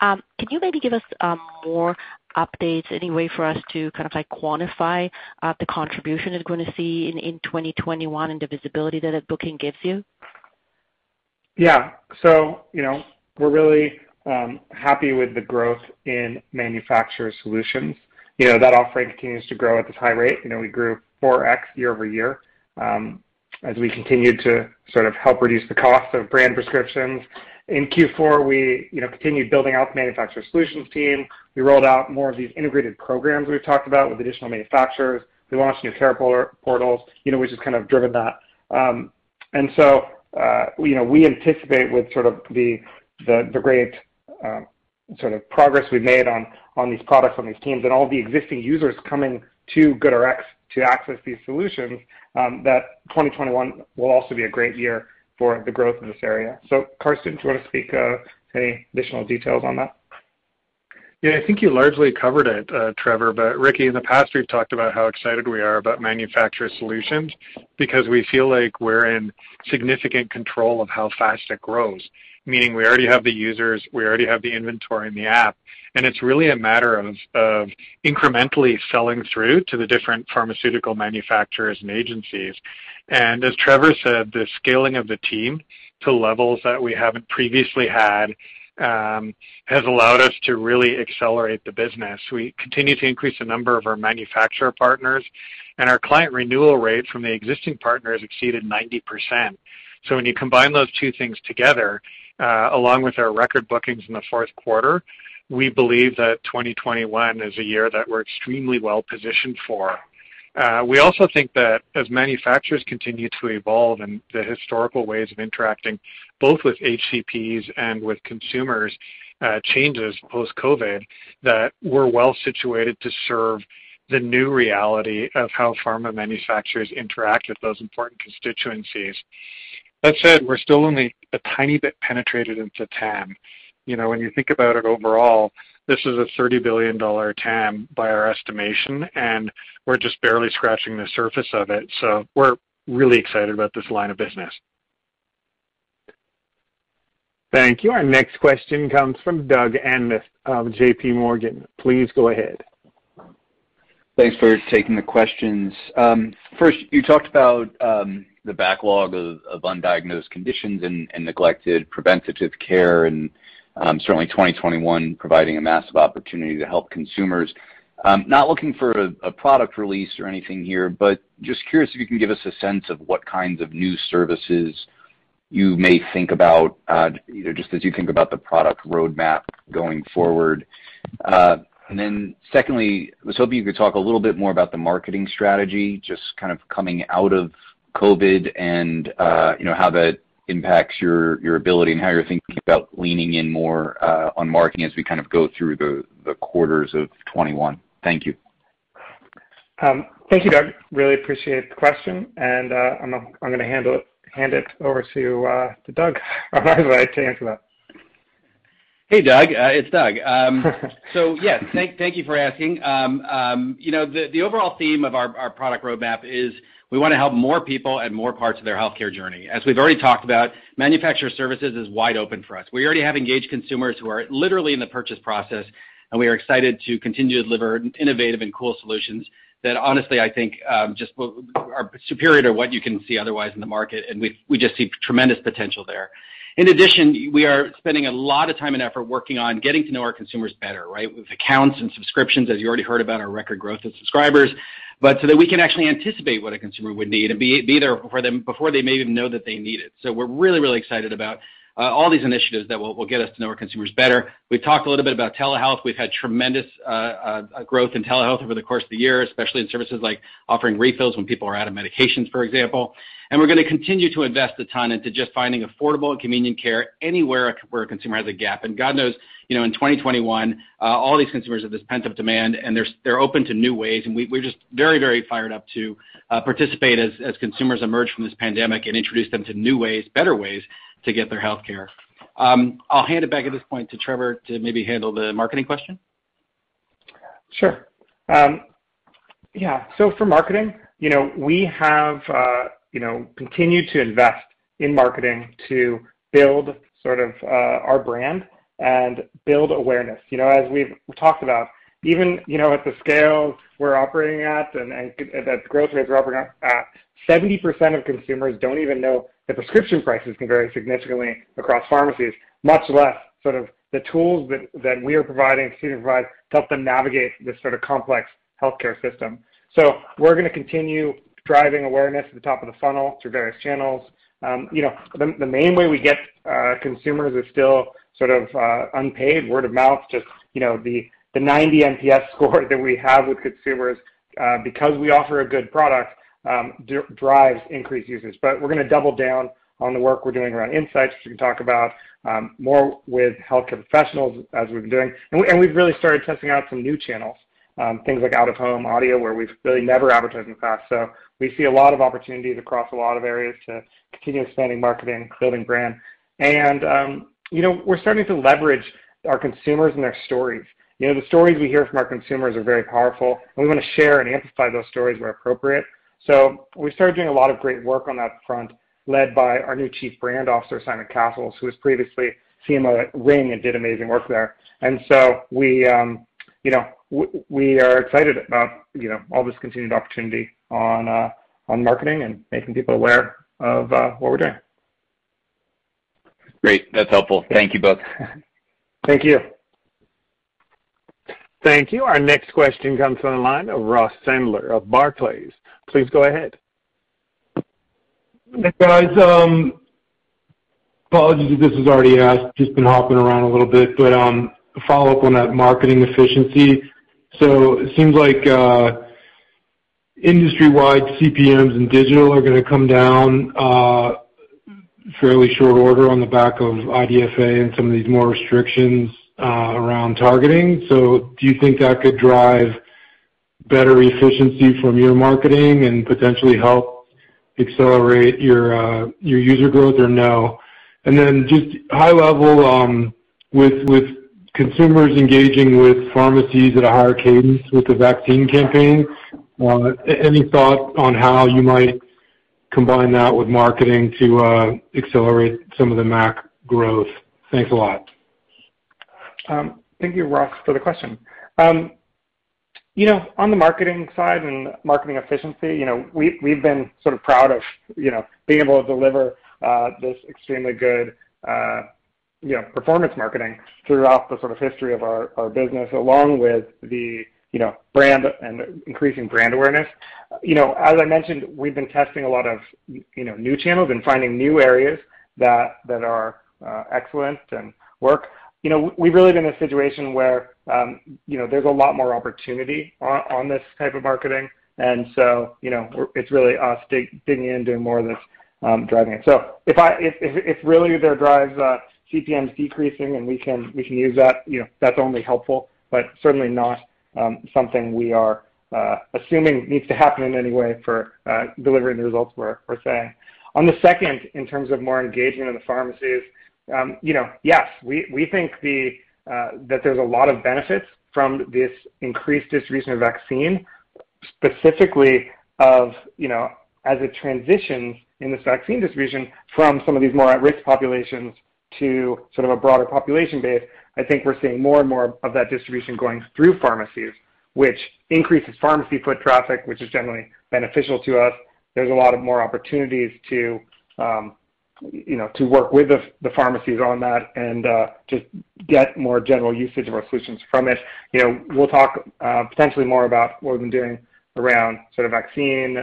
Can you maybe give us more updates, any way for us to kind of like quantify the contribution you're going to see in 2021 and the visibility that booking gives you? Yeah. We're really happy with the growth in Manufacturer Solutions. That offering continues to grow at this high rate. We grew 4x year-over-year as we continued to sort of help reduce the cost of brand prescriptions. In Q4, we continued building out the Manufacturer Solutions team. We rolled out more of these integrated programs we've talked about with additional manufacturers. We launched new care portals, which has kind of driven that. We anticipate with sort of the great sort of progress we've made on these products, on these teams, and all the existing users coming to GoodRx to access these solutions, that 2021 will also be a great year for the growth of this area. Karsten, do you want to speak any additional details on that? Yeah, I think you largely covered it, Trevor. Ricky, in the past, we've talked about how excited we are about manufacturer solutions because we feel like we're in significant control of how fast it grows, meaning we already have the users, we already have the inventory in the app, and it's really a matter of incrementally selling through to the different pharmaceutical manufacturers and agencies. As Trevor said, the scaling of the team to levels that we haven't previously had, has allowed us to really accelerate the business. We continue to increase the number of our manufacturer partners and our client renewal rate from the existing partners exceeded 90%. When you combine those two things together, along with our record bookings in the fourth quarter, we believe that 2021 is a year that we're extremely well-positioned for. We also think that as manufacturers continue to evolve and the historical ways of interacting, both with HCPs and with consumers, changes post-COVID, that we're well-situated to serve the new reality of how pharma manufacturers interact with those important constituencies. That said, we're still only a tiny bit penetrated into TAM. When you think about it overall, this is a $30 billion TAM by our estimation, and we're just barely scratching the surface of it. We're really excited about this line of business. Thank you. Our next question comes from Doug Anmuth of JPMorgan. Please go ahead. Thanks for taking the questions. First, you talked about the backlog of undiagnosed conditions and neglected preventative care and, certainly 2021 providing a massive opportunity to help consumers. Not looking for a product release or anything here, but just curious if you can give us a sense of what kinds of new services you may think about, either just as you think about the product roadmap going forward. Secondly, I was hoping you could talk a little bit more about the marketing strategy, just kind of coming out of COVID-19 and how that impacts your ability and how you're thinking about leaning in more, on marketing as we kind of go through the quarters of 2021. Thank you. Thank you, Doug. Really appreciate the question. I'm going to hand it over to Doug or rather to Angela. Hey, Doug. It's Doug. Yeah, thank you for asking. The overall theme of our product roadmap is we want to help more people at more parts of their healthcare journey. As we've already talked about, manufacturer services is wide open for us. We already have engaged consumers who are literally in the purchase process, and we are excited to continue to deliver innovative and cool solutions that honestly, I think, just are superior to what you can see otherwise in the market, and we just see tremendous potential there. In addition, we are spending a lot of time and effort working on getting to know our consumers better, right? With accounts and subscriptions, as you already heard about our record growth of subscribers, but so that we can actually anticipate what a consumer would need and be there for them before they may even know that they need it. We're really, really excited about all these initiatives that will get us to know our consumers better. We've talked a little bit about telehealth. We've had tremendous growth in telehealth over the course of the year, especially in services like offering refills when people are out of medications, for example. We're going to continue to invest a ton into just finding affordable and convenient care anywhere where a consumer has a gap. God knows, in 2021, all these consumers have this pent-up demand, and they're open to new ways, and we're just very, very fired up to participate as consumers emerge from this pandemic and introduce them to new ways, better ways, to get their healthcare. I'll hand it back at this point to Trevor to maybe handle the marketing question. Sure. Yeah. For marketing, we have continued to invest in marketing to build sort of our brand and build awareness. As we've talked about, even at the scale we're operating at and the growth rates we're operating at, 70% of consumers don't even know that prescription prices can vary significantly across pharmacies, much less sort of the tools that we are providing, continuing to provide to help them navigate this sort of complex healthcare system. We're going to continue driving awareness at the top of the funnel through various channels. The main way we get consumers is still sort of unpaid, word of mouth, just the 90 NPS score that we have with consumers, because we offer a good product, drives increased users. We're going to double down on the work we're doing around insights, which we can talk about, more with healthcare professionals as we've been doing. We've really started testing out some new channels. Things like out-of-home audio, where we've really never advertised in the past. We see a lot of opportunities across a lot of areas to continue expanding marketing, building brand. We're starting to leverage our consumers and their stories. The stories we hear from our consumers are very powerful, and we want to share and amplify those stories where appropriate. We started doing a lot of great work on that front led by our new Chief Brand Officer, Simon Cassels, who was previously CMO at Ring and did amazing work there. We are excited about all this continued opportunity on marketing and making people aware of what we're doing. Great. That's helpful. Thank you both. Thank you. Thank you. Our next question comes on the line of Ross Sandler of Barclays. Please go ahead. Hey, guys. Apologies if this was already asked, just been hopping around a little bit. To follow up on that marketing efficiency. It seems like industry-wide CPMs and digital are going to come down fairly short order on the back of IDFA and some of these more restrictions around targeting. Do you think that could drive better efficiency from your marketing and potentially help accelerate your user growth or no? Just high level with consumers engaging with pharmacies at a higher cadence with the vaccine campaign, any thought on how you might combine that with marketing to accelerate some of the MAC growth? Thanks a lot. Thank you, Ross, for the question. On the marketing side and marketing efficiency, we've been sort of proud of being able to deliver this extremely good performance marketing throughout the sort of history of our business along with the increasing brand awareness. As I mentioned, we've been testing a lot of new channels and finding new areas that are excellent and work. We've really been in a situation where there's a lot more opportunity on this type of marketing, it's really us digging in, doing more of this, driving it. If really there drives CPMs decreasing and we can use that's only helpful, but certainly not something we are assuming needs to happen in any way for delivering the results we're saying. On the second, in terms of more engagement in the pharmacies, yes, we think that there's a lot of benefits from this increased distribution of vaccine, specifically as it transitions in this vaccine distribution from some of these more at-risk populations to a broader population base. I think we're seeing more and more of that distribution going through pharmacies, which increases pharmacy foot traffic, which is generally beneficial to us. There's a lot of more opportunities to work with the pharmacies on that and just get more general usage of our solutions from it. We'll talk potentially more about what we've been doing around vaccine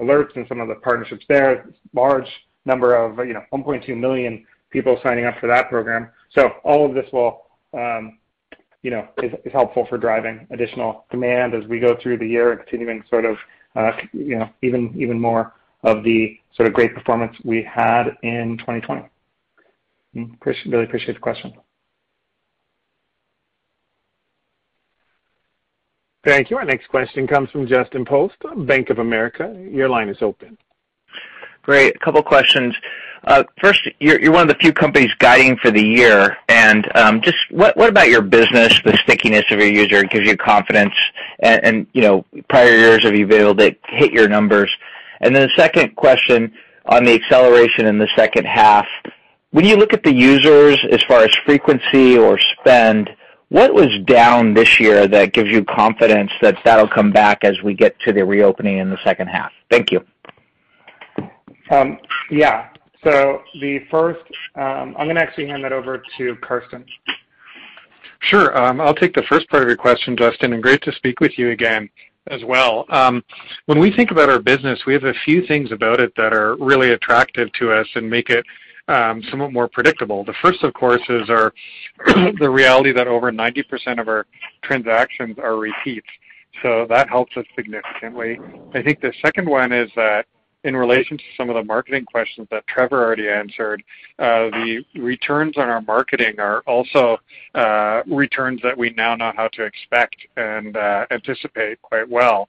alerts and some of the partnerships there. Large number of 1.2 million people signing up for that program. All of this is helpful for driving additional demand as we go through the year and continuing sort of even more of the sort of great performance we had in 2020. Really appreciate the question. Thank you. Our next question comes from Justin Post, Bank of America. Great. A couple questions. First, you're one of the few companies guiding for the year and just what about your business, the stickiness of your user gives you confidence and, prior years, have you been able to hit your numbers? The second question on the acceleration in the second half, when you look at the users as far as frequency or spend, what was down this year that gives you confidence that that'll come back as we get to the reopening in the second half? Thank you. Yeah. The first, I'm going to actually hand that over to Karsten. Sure. I'll take the first part of your question, Justin. Great to speak with you again as well. When we think about our business, we have a few things about it that are really attractive to us and make it somewhat more predictable. The first, of course, is the reality that over 90% of our transactions are repeats, so that helps us significantly. I think the second one is that in relation to some of the marketing questions that Trevor already answered, the returns on our marketing are also returns that we now know how to expect and anticipate quite well.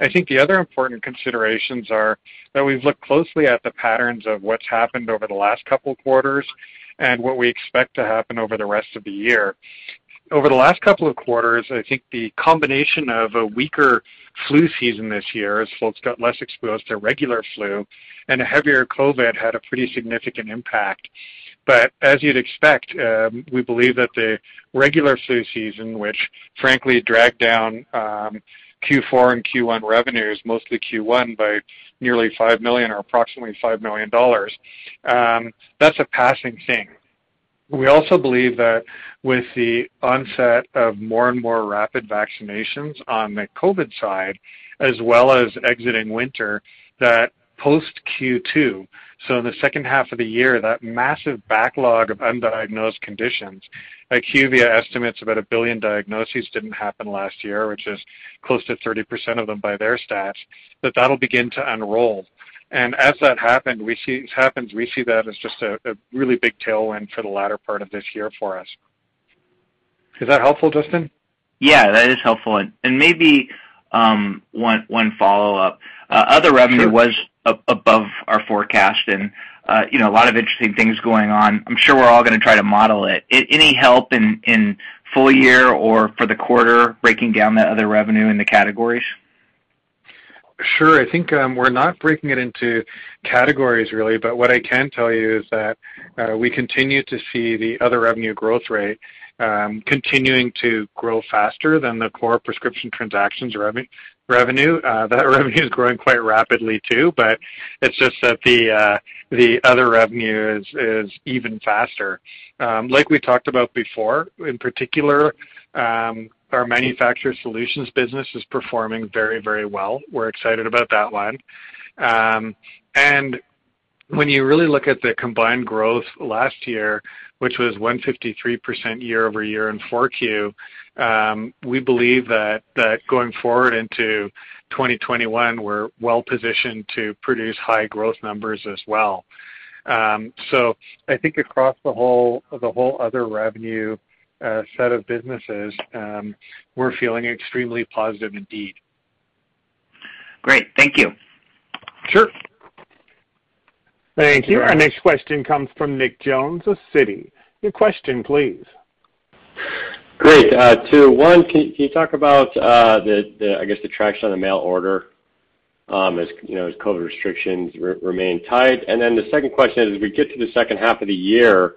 I think the other important considerations are that we've looked closely at the patterns of what's happened over the last couple of quarters and what we expect to happen over the rest of the year. Over the last couple of quarters, I think the combination of a weaker flu season this year as folks got less exposed to regular flu and a heavier COVID had a pretty significant impact. As you'd expect, we believe that the regular flu season, which frankly dragged down Q4 and Q1 revenues, mostly Q1, by nearly $5 million or approximately $5 million, that's a passing thing. We also believe that with the onset of more and more rapid vaccinations on the COVID side, as well as exiting winter, that post Q2, so in the second half of the year, that massive backlog of undiagnosed conditions, IQVIA estimates about 1 billion diagnoses didn't happen last year, which is close to 30% of them by their stats, that'll begin to unroll. As that happens, we see that as just a really big tailwind for the latter part of this year for us. Is that helpful, Justin? Yeah, that is helpful. Maybe one follow-up. Other revenue. Sure was above our forecast and a lot of interesting things going on. I'm sure we're all going to try to model it. Any help in full year or for the quarter breaking down that other revenue in the categories? Sure. I think we're not breaking it into categories really, but what I can tell you is that we continue to see the other revenue growth rate continuing to grow faster than the core prescription transactions revenue. That revenue is growing quite rapidly too, but it's just that the other revenue is even faster. Like we talked about before, in particular, our manufacturer solutions business is performing very, very well. We're excited about that line. When you really look at the combined growth last year, which was 153% year-over-year in 4Q, we believe that going forward into 2021, we're well-positioned to produce high growth numbers as well. I think across the whole other revenue set of businesses, we're feeling extremely positive indeed. Great. Thank you. Sure. Thank you. Our next question comes from Nick Jones of Citi. Your question, please. Great. Two, one, can you talk about the, I guess, the traction on the mail order as COVID restrictions remain tight? Then the second question is, as we get to the second half of the year,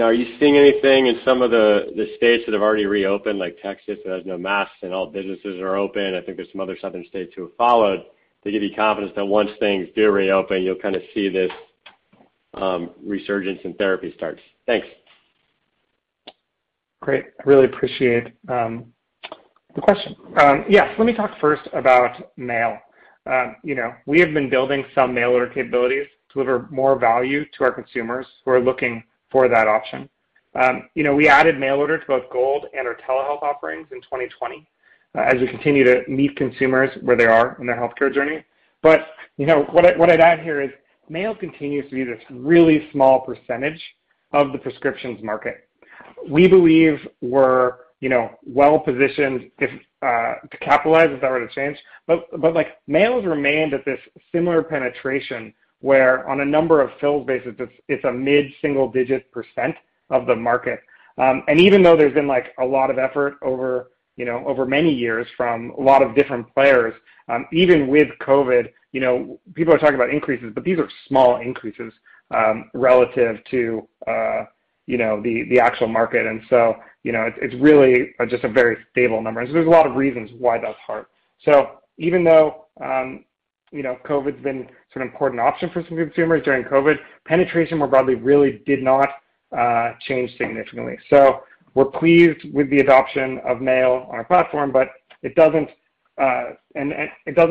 are you seeing anything in some of the states that have already reopened, like Texas that has no masks and all businesses are open, I think there's some other southern states who have followed, to give you confidence that once things do reopen, you'll kind of see this resurgence in therapy starts? Thanks. Great. I really appreciate the question. Yes, let me talk first about mail. We have been building some mail order capabilities to deliver more value to our consumers who are looking for that option. We added mail order to both GoodRx Gold and our telehealth offerings in 2020, as we continue to meet consumers where they are on their healthcare journey. What I'd add here is, mail continues to be this really small % of the prescriptions market. We believe we're well-positioned if, to capitalize if that were to change. Mail has remained at this similar penetration where on a number of filled basis, it's a mid-single-digit % of the market. Even though there's been a lot of effort over many years from a lot of different players, even with COVID-19, people are talking about increases, but these are small increases relative to the actual market. It's really just a very stable number. There's a lot of reasons why that's hard. Even though COVID-19's been sort of important option for some consumers during COVID-19, penetration more broadly really did not change significantly. We're pleased with the adoption of mail on our platform, but it doesn't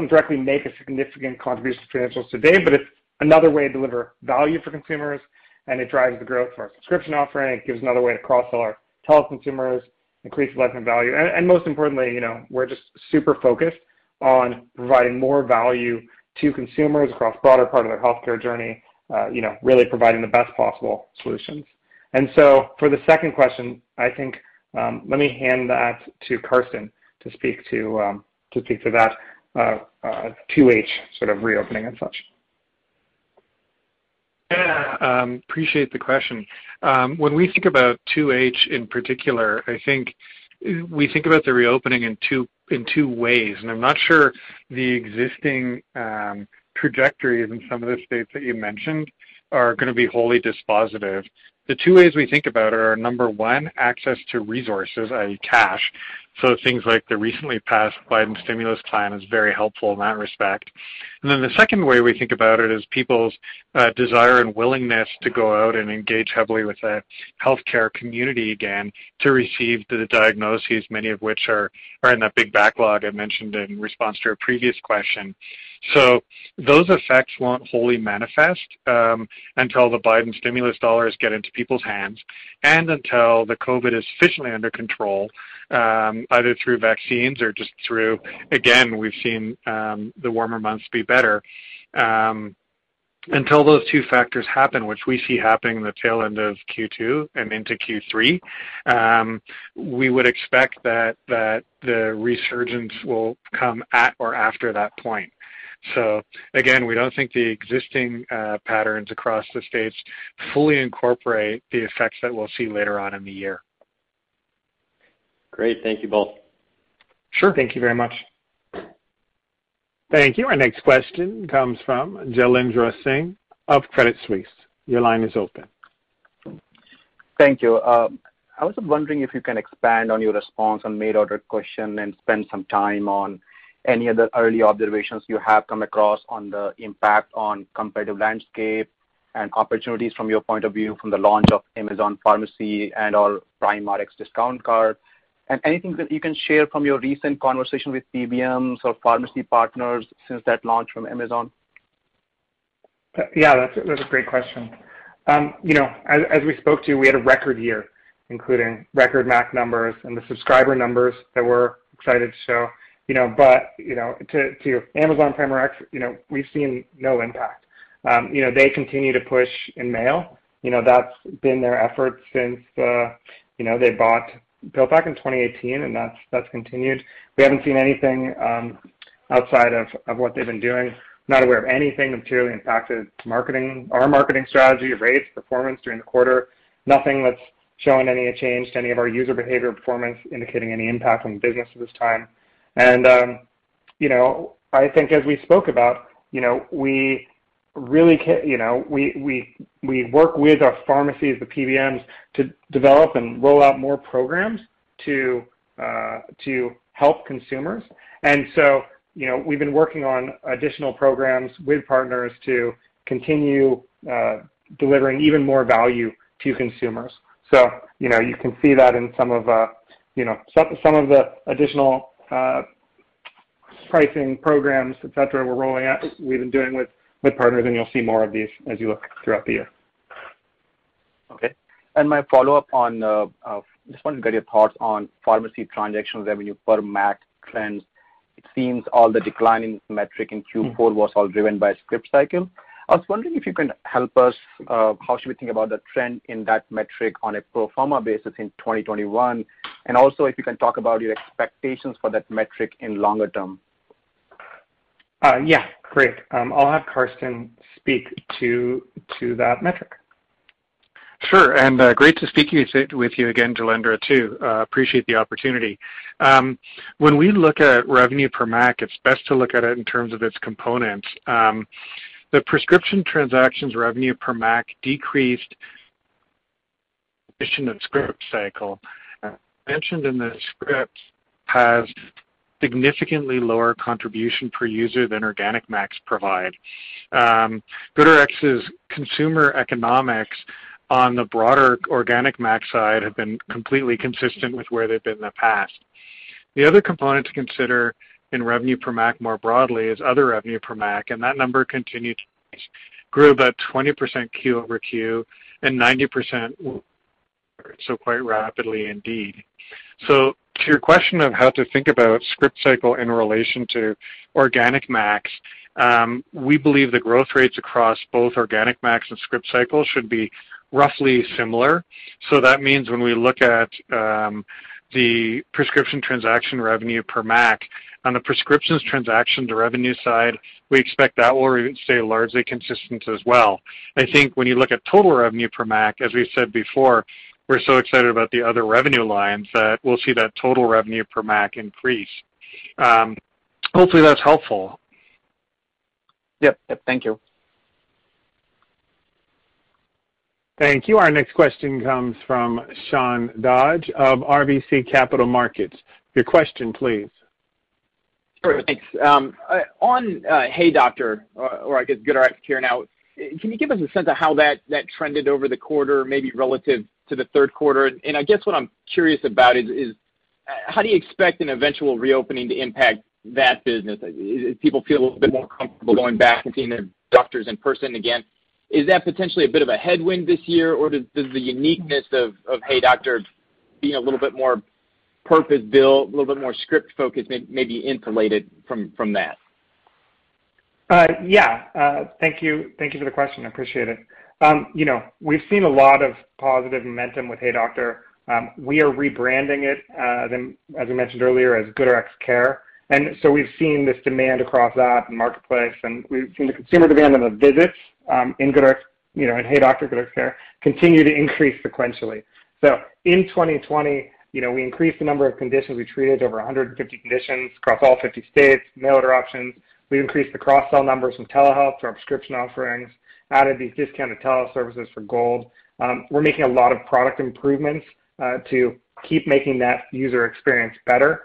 directly make a significant contribution to financials today. It's another way to deliver value for consumers, and it drives the growth for our prescription offering. It gives another way to cross-sell our telehealth consumers, increase lifetime value, and most importantly, we're just super focused on providing more value to consumers across broader part of their healthcare journey, really providing the best possible solutions. For the second question, I think, let me hand that to Karsten to speak to that 2H sort of reopening and such. Appreciate the question. When we think about 2H in particular, I think we think about the reopening in two ways, and I'm not sure the existing trajectories in some of the states that you mentioned are going to be wholly dispositive. The two ways we think about it are, number one, access to resources, i.e. cash. Things like the recently passed Biden stimulus plan is very helpful in that respect. The second way we think about it is people's desire and willingness to go out and engage heavily with the healthcare community again to receive the diagnoses, many of which are in that big backlog I mentioned in response to a previous question. Those effects won't wholly manifest until the Biden stimulus dollars get into people's hands and until the COVID is officially under control, either through vaccines or just through, again, we've seen the warmer months be better. Until those two factors happen, which we see happening in the tail end of Q2 and into Q3, we would expect that the resurgence will come at or after that point. Again, we don't think the existing patterns across the states fully incorporate the effects that we'll see later on in the year. Great. Thank you both. Sure. Thank you very much. Thank you. Our next question comes from Jailendra Singh of Credit Suisse. Your line is open. Thank you. I was wondering if you can expand on your response on mail order question and spend some time on any of the early observations you have come across on the impact on competitive landscape and opportunities from your point of view from the launch of Amazon Pharmacy and/or Prime Rx discount card. Anything that you can share from your recent conversation with PBMs or pharmacy partners since that launch from Amazon? Yeah, that's a great question. As we spoke to, we had a record year, including record MAC numbers and the subscriber numbers that we're excited to show. To your Amazon Prime Rx, we've seen no impact. They continue to push in mail. That's been their effort since they bought PillPack in 2018, and that's continued. We haven't seen anything outside of what they've been doing. Not aware of anything that's materially impacted our marketing strategy or rates, performance during the quarter. Nothing that's shown any change to any of our user behavior performance indicating any impact on the business at this time. I think as we spoke about, we work with our pharmacies, the PBMs, to develop and roll out more programs to help consumers. So, we've been working on additional programs with partners to continue delivering even more value to consumers. You can see that in some of the additional pricing programs, et cetera, we're rolling out, we've been doing with partners, and you'll see more of these as you look throughout the year. Okay. Just wanted to get your thoughts on pharmacy transactions revenue per MAC trends. It seems all the decline in metric in Q4 was all driven by Scriptcycle. I was wondering if you can help us, how should we think about the trend in that metric on a pro forma basis in 2021, and also if you can talk about your expectations for that metric in longer term? Yeah. Great. I'll have Karsten speak to that metric. Sure, and great to speak with you again, Jailendra, too. Appreciate the opportunity. When we look at revenue per MAC, it's best to look at it in terms of its components. The prescription transactions revenue per MAC decreased Scriptcycle. As mentioned in the script, has significantly lower contribution per user than organic MACs provide. GoodRx's consumer economics on the broader organic MAC side have been completely consistent with where they've been in the past. The other component to consider in revenue per MAC more broadly is other revenue per MAC, and that number continued to grew about 20% Q over Q and 90% so quite rapidly indeed. To your question of how to think about Scriptcycle in relation to organic MACs, we believe the growth rates across both organic MACs and Scriptcycle should be roughly similar. That means when we look at the prescription transaction revenue per MAC, on the prescriptions transaction to revenue side, we expect that will stay largely consistent as well. I think when you look at total revenue per MAC, as we said before, we're so excited about the other revenue lines that we'll see that total revenue per MAC increase. Hopefully that's helpful. Yep. Thank you. Thank you. Our next question comes from Sean Dodge of RBC Capital Markets. Your question please. Sure, thanks. On HeyDoctor, or I guess GoodRx Care now, can you give us a sense of how that trended over the quarter, maybe relative to the third quarter? I guess what I'm curious about is how do you expect an eventual reopening to impact that business? If people feel a little bit more comfortable going back and seeing their doctors in person again, is that potentially a bit of a headwind this year, or does the uniqueness of HeyDoctor being a little bit more purpose-built, a little bit more script focused, maybe insulated from that? Yeah. Thank you for the question. I appreciate it. We've seen a lot of positive momentum with HeyDoctor. We are rebranding it, as I mentioned earlier, as GoodRx Care, and so we've seen this demand across that in Marketplace, and we've seen the consumer demand on the visits, in HeyDoctor, GoodRx Care, continue to increase sequentially. In 2020, we increased the number of conditions we treated to over 150 conditions across all 50 states, mail order options. We increased the cross-sell numbers from telehealth to our prescription offerings, added these discounted telehealth services for Gold. We're making a lot of product improvements, to keep making that user experience better.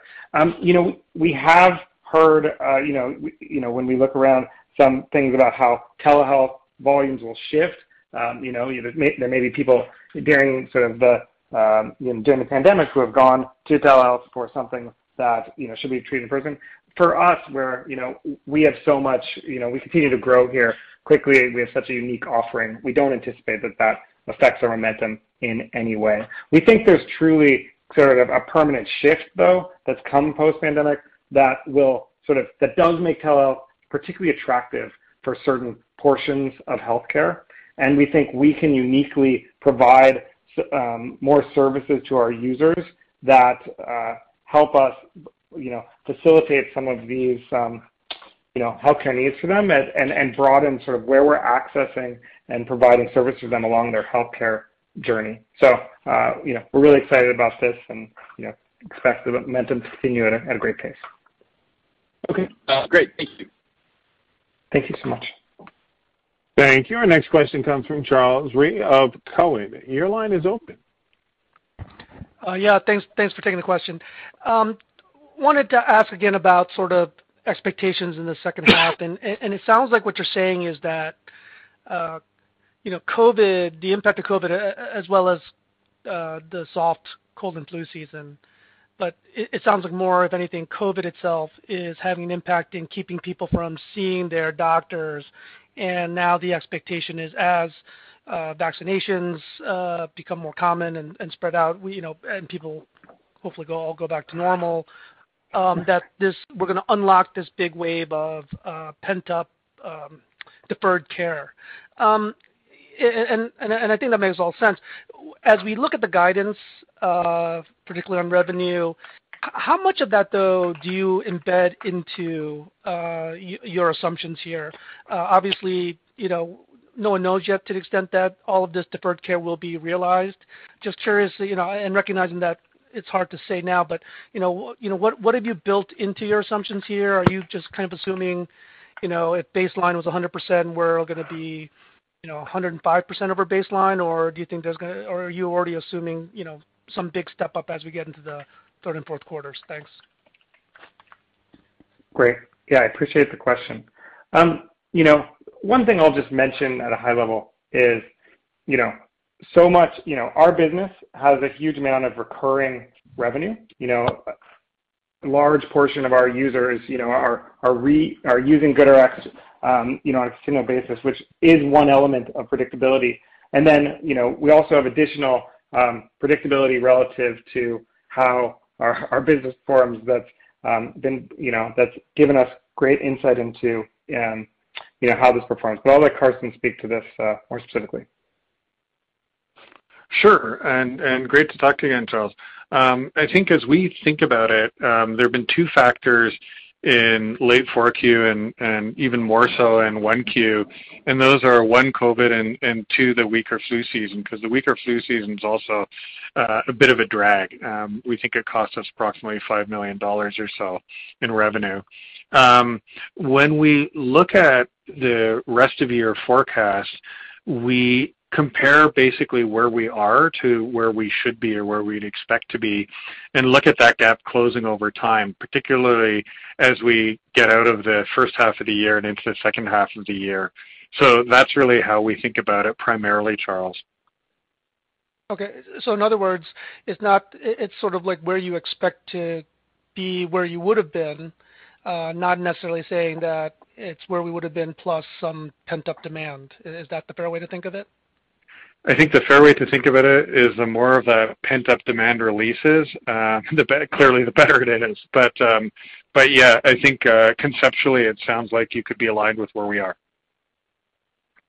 We have heard, when we look around some things about how telehealth volumes will shift. There may be people during the pandemic who have gone to telehealth for something that should be treated in person. For us, we continue to grow here quickly. We have such a unique offering. We don't anticipate that that affects our momentum in any way. We think there's truly sort of a permanent shift, though, that's come post-pandemic that does make telehealth particularly attractive for certain portions of healthcare, and we think we can uniquely provide more services to our users that help us facilitate some of these healthcare needs for them and broaden sort of where we're accessing and providing service for them along their healthcare journey. We're really excited about this and expect the momentum to continue at a great pace. Okay, great. Thank you. Thank you so much. Thank you. Our next question comes from Charles Rhyee of Cowen. Your line is open. Yeah. Thanks for taking the question. Wanted to ask again about sort of expectations in the second half. It sounds like what you're saying is that the impact of COVID, as well as the soft cold and flu season, but it sounds like more of anything, COVID itself is having an impact in keeping people from seeing their doctors. Now the expectation is as vaccinations become more common and spread out, and people hopefully all go back to normal, that we're going to unlock this big wave of pent-up deferred care. I think that makes all sense. As we look at the guidance, particularly on revenue, how much of that, though, do you embed into your assumptions here? Obviously, no one knows yet to the extent that all of this deferred care will be realized. Just curious, recognizing that it's hard to say now, but what have you built into your assumptions here? Are you just kind of assuming, if baseline was 100%, we're all going to be 105% over baseline, or are you already assuming some big step-up as we get into the third and fourth quarters? Thanks. Great. Yeah, I appreciate the question. One thing I'll just mention at a high level is our business has a huge amount of recurring revenue. A large portion of our users are using GoodRx on a single basis, which is one element of predictability. We also have additional predictability relative to how our business forms that's given us great insight into how this performs. I'll let Karsten speak to this more specifically. Sure, great to talk to you again, Charles. I think as we think about it, there have been two factors in late 4Q and even more so in 1Q, and those are one, COVID, and two, the weaker flu season, because the weaker flu season is also a bit of a drag. We think it costs us approximately $5 million or so in revenue. When we look at the rest of year forecast, we compare basically where we are to where we should be or where we'd expect to be and look at that gap closing over time, particularly as we get out of the first half of the year and into the second half of the year. That's really how we think about it primarily, Charles. Okay. In other words, it's sort of like where you expect to be, where you would've been, not necessarily saying that it's where we would've been plus some pent-up demand. Is that the fair way to think of it? I think the fair way to think about it is the more of the pent-up demand releases, clearly the better it is. Yeah, I think conceptually it sounds like you could be aligned with where we are.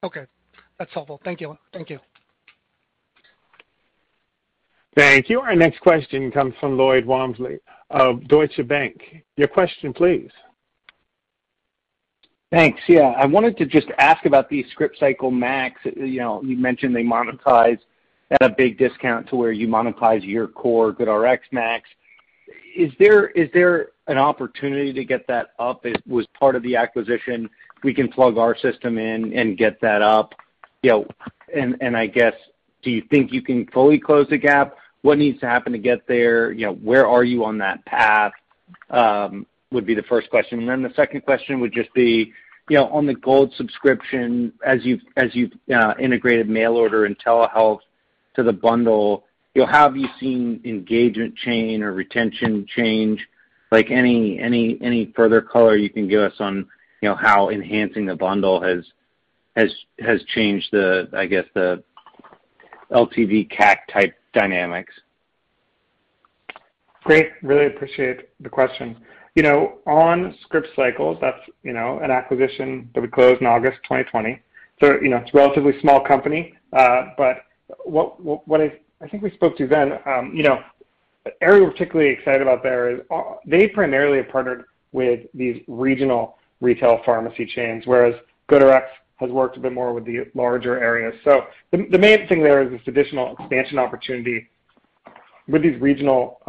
Okay. That's helpful. Thank you. Thank you. Our next question comes from Lloyd Walmsley of Deutsche Bank. Your question please. Thanks. Yeah, I wanted to just ask about the ScriptCycle MACs. You mentioned they monetize at a big discount to where you monetize your core GoodRx MACs. Is there an opportunity to get that up? It was part of the acquisition. We can plug our system in and get that up. I guess, do you think you can fully close the gap? What needs to happen to get there? Where are you on that path? Would be the first question. Then the second question would just be, on the Gold subscription, as you've integrated mail order and telehealth to the bundle, have you seen engagement change or retention change? Like any further color you can give us on how enhancing the bundle has changed the, I guess, the LTV CAC type dynamics. Great. Really appreciate the question. On Scriptcycle, that's an acquisition that we closed in August 2020. It's a relatively small company. What I think we spoke to then, the area we're particularly excited about there is they primarily have partnered with these regional retail pharmacy chains, whereas GoodRx has worked a bit more with the larger areas. The main thing there is this additional expansion opportunity with these regional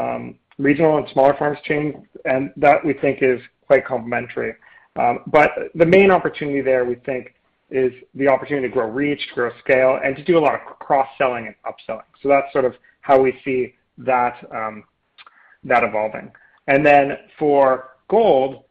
and smaller pharmacy chains, and that we think is quite complementary. The main opportunity there, we think, is the opportunity to grow reach, to grow scale, and to do a lot of cross-selling and upselling. That's sort of how we see that evolving. For Gold,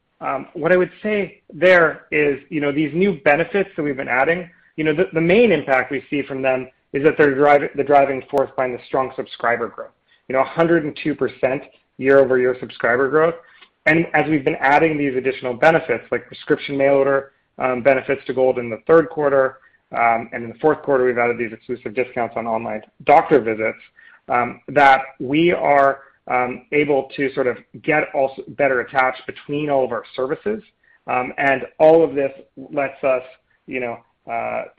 what I would say there is these new benefits that we've been adding, the main impact we see from them is that they're the driving force behind the strong subscriber growth, 102% year-over-year subscriber growth. As we've been adding these additional benefits like prescription mail order benefits to Gold in the third quarter, in the fourth quarter, we've added these exclusive discounts on online doctor visits, that we are able to sort of get better attached between all of our services. All of this lets us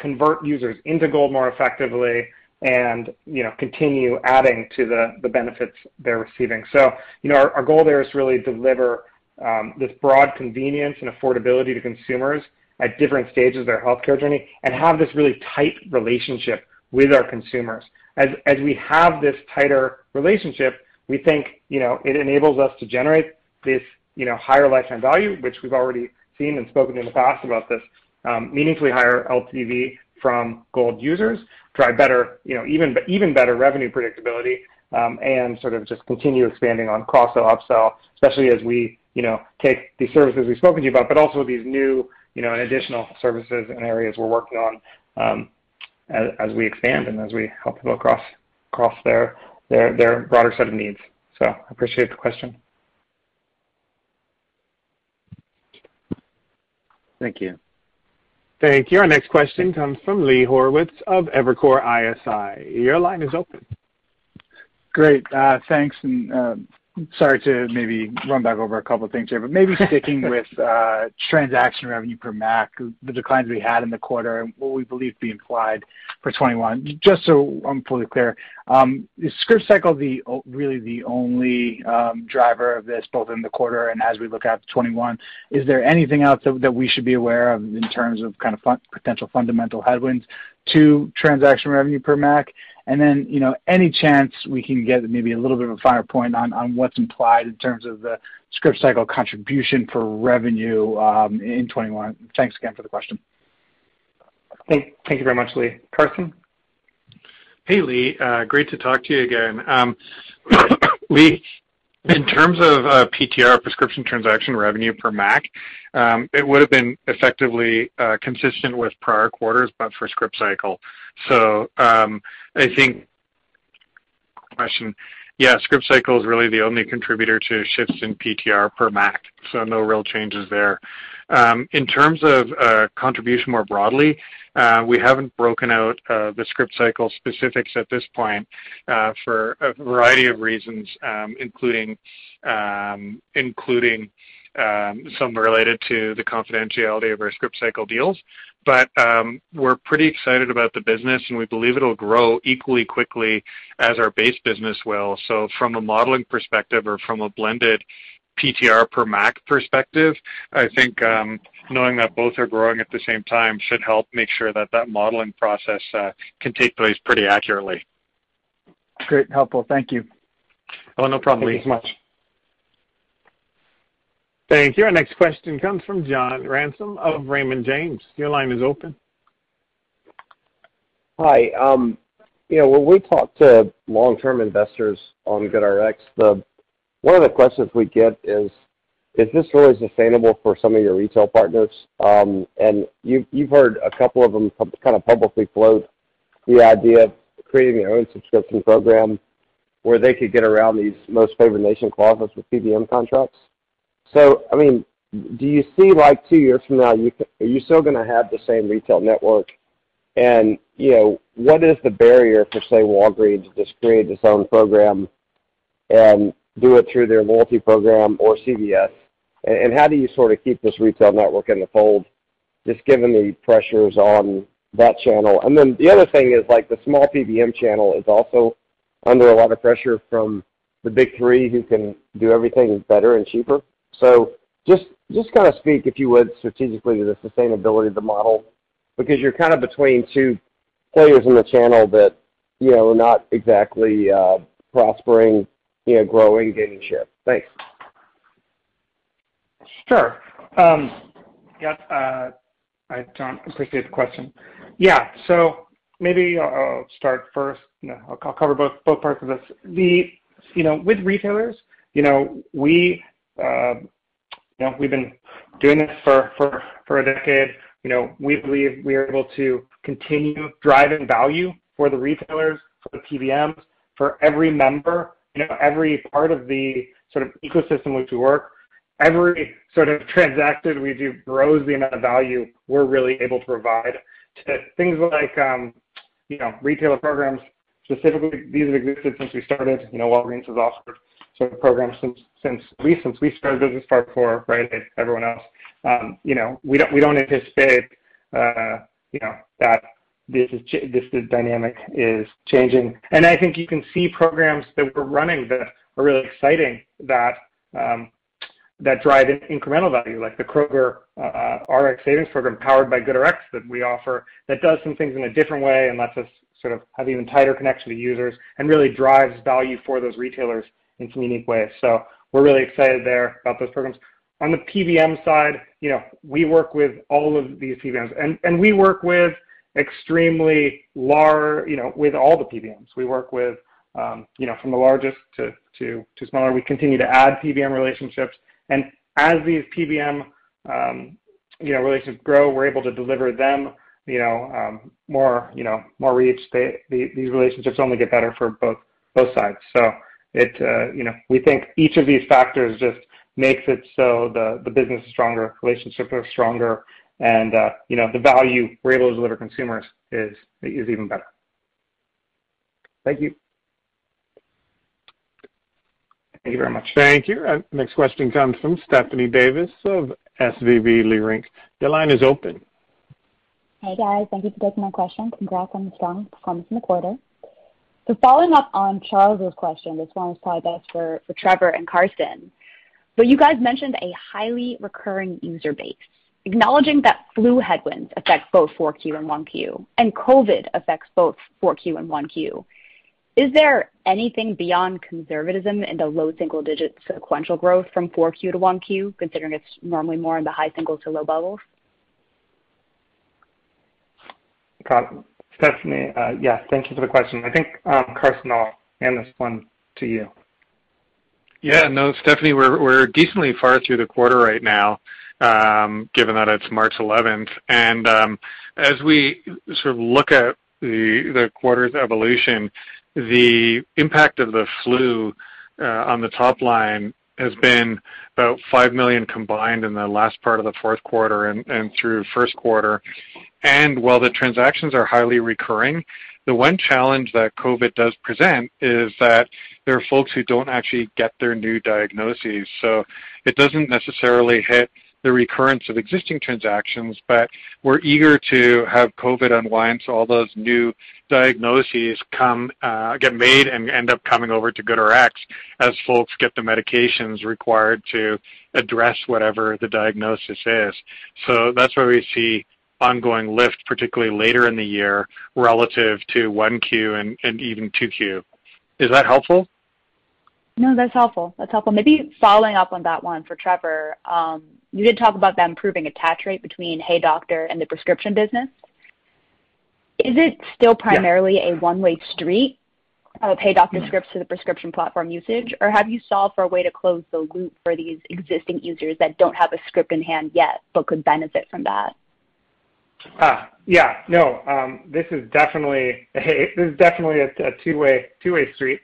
convert users into Gold more effectively and continue adding to the benefits they're receiving. Our goal there is to really deliver this broad convenience and affordability to consumers at different stages of their healthcare journey and have this really tight relationship with our consumers. As we have this tighter relationship, we think it enables us to generate this higher lifetime value, which we've already seen and spoken in the past about this meaningfully higher LTV from Gold users, drive even better revenue predictability, and sort of just continue expanding on cross-sell, up-sell, especially as we take these services we've spoken to you about, but also these new and additional services and areas we're working on as we expand and as we help people across their broader set of needs. I appreciate the question. Thank you. Thank you. Our next question comes from Lee Horowitz of Evercore ISI. Your line is open. Great. Thanks. Sorry to maybe run back over a couple of things here. Maybe sticking with transaction revenue per MAC, the declines we had in the quarter and what we believe to be implied for 2021. Just so I'm fully clear, is Scriptcycle really the only driver of this, both in the quarter and as we look out to 2021? Is there anything else that we should be aware of in terms of potential fundamental headwinds to transaction revenue per MAC? Any chance we can get maybe a little bit of a finer point on what's implied in terms of the Scriptcycle contribution for revenue in 2021? Thanks again for the question. Thank you very much, Lee. Karsten? Hey, Lee. Great to talk to you again. Lee, in terms of PTR, prescription transaction revenue per MAC, it would've been effectively consistent with prior quarters, but for Scriptcycle. I think Scriptcycle is really the only contributor to shifts in PTR per MAC, no real changes there. In terms of contribution more broadly, we haven't broken out the Scriptcycle specifics at this point for a variety of reasons, including some related to the confidentiality of our Scriptcycle deals. We're pretty excited about the business, and we believe it'll grow equally quickly as our base business will. From a modeling perspective or from a blended PTR per MAC perspective, I think knowing that both are growing at the same time should help make sure that that modeling process can take place pretty accurately. Great. Helpful. Thank you. Oh, no problem. Thank you as much. Thank you. Our next question comes from John Ransom of Raymond James. Your line is open. Hi. When we talk to long-term investors on GoodRx, one of the questions we get is this really sustainable for some of your retail partners? You've heard a couple of them kind of publicly float the idea of creating their own subscription program where they could get around these most favored nation clauses with PBM contracts. Do you see like two years from now, are you still going to have the same retail network? What is the barrier for, say, Walgreens to just create its own program and do it through their loyalty program or CVS? How do you sort of keep this retail network in the fold, just given the pressures on that channel? The other thing is the small PBM channel is also under a lot of pressure from the big three who can do everything better and cheaper. Just kind of speak, if you would, strategically to the sustainability of the model, because you're kind of between two players in the channel that are not exactly prospering, growing, gaining share. Thanks. Sure. John, appreciate the question. Maybe I'll start first. I'll cover both parts of this. With retailers, we've been doing this for a decade. We believe we are able to continue driving value for the retailers, for the PBMs, for every member, every part of the sort of ecosystem which we work, every sort of transaction we do grows the amount of value we're really able to provide to things like retailer programs specifically. These have existed since we started. Walgreens has offered certain programs since we started the business, par for everyone else. We don't anticipate that this dynamic is changing. I think you can see programs that we're running that are really exciting, that drive incremental value like the Kroger Rx Savings Club powered by GoodRx that we offer, that does some things in a different way and lets us sort of have even tighter connection to users and really drives value for those retailers in some unique ways. We're really excited there about those programs. On the PBM side, we work with all of these PBMs. We work with all the PBMs. We work with from the largest to smaller. We continue to add PBM relationships. As these PBM relationships grow, we're able to deliver them more reach. These relationships only get better for both sides. We think each of these factors just makes it so the business is stronger, relationships are stronger, and the value we're able to deliver to consumers is even better. Thank you. Thank you very much. Thank you. Our next question comes from Stephanie Davis of SVB Leerink. Hey, guys. Thank you for taking my question. Congrats on the strong performance in the quarter. Following up on Charles's question, this one is probably best for Trevor and Karsten. You guys mentioned a highly recurring user base. Acknowledging that flu headwinds affect both 4Q and 1Q, and COVID affects both 4Q and 1Q. Is there anything beyond conservatism in the low single-digit sequential growth from 4Q to 1Q, considering it's normally more in the high single to low double-digits? Got it. Stephanie, yeah, thank you for the question. I think, Karsten, I'll hand this one to you. No, Stephanie, we're decently far through the quarter right now, given that it's March 11th. As we sort of look at the quarter's evolution, the impact of the flu on the top line has been about $5 million combined in the last part of the fourth quarter and through first quarter. While the transactions are highly recurring, the one challenge that COVID does present is that there are folks who don't actually get their new diagnoses. It doesn't necessarily hit the recurrence of existing transactions, but we're eager to have COVID unwind so all those new diagnoses get made and end up coming over to GoodRx as folks get the medications required to address whatever the diagnosis is. That's why we see ongoing lift, particularly later in the year relative to 1Q and even 2Q. Is that helpful? No, that's helpful. Maybe following up on that one for Trevor, you did talk about them proving attach rate between HeyDoctor and the prescription business. Is it still primarily a one-way street of HeyDoctor scripts to the prescription platform usage, or have you solved for a way to close the loop for these existing users that don't have a script in hand yet but could benefit from that? Yeah, no, this is definitely a two-way street.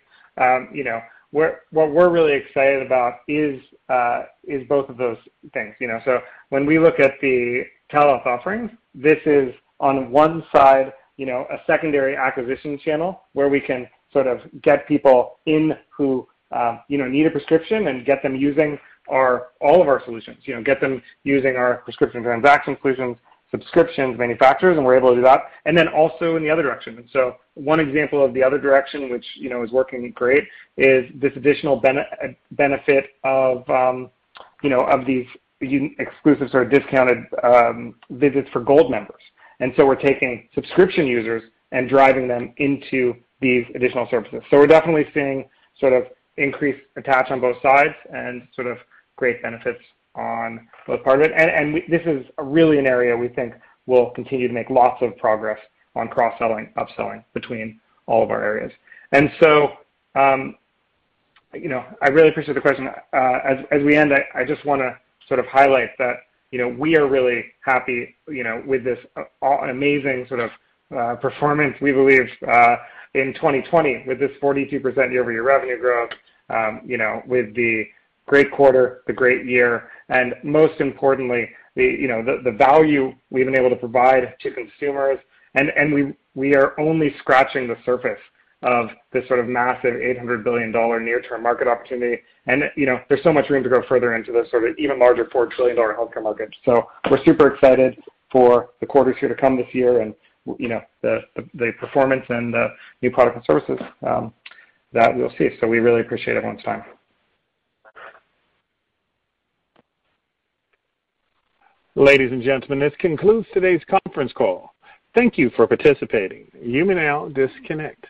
What we're really excited about is both of those things. When we look at the telehealth offerings, this is on one side, a secondary acquisition channel where we can sort of get people in who need a prescription and get them using all of our solutions, get them using our prescription transaction solutions, subscriptions, manufacturers, and we're able to do that, and then also in the other direction. One example of the other direction, which is working great, is this additional benefit of these exclusive sort of discounted visits for Gold members. We're taking subscription users and driving them into these additional services. We're definitely seeing sort of increased attach on both sides and sort of great benefits on both part of it. This is really an area we think we'll continue to make lots of progress on cross-selling, upselling between all of our areas. I really appreciate the question. As we end, I just want to sort of highlight that we are really happy with this amazing sort of performance we believe in 2020 with this 42% year-over-year revenue growth, with the great quarter, the great year, and most importantly, the value we've been able to provide to consumers. We are only scratching the surface of this sort of massive $800 billion near-term market opportunity. There's so much room to grow further into this sort of even larger $4 trillion healthcare market. We're super excited for the quarters here to come this year and the performance and the new product and services that we'll see. We really appreciate everyone's time. Ladies and gentlemen, this concludes today's conference call. Thank you for participating. You may now disconnect.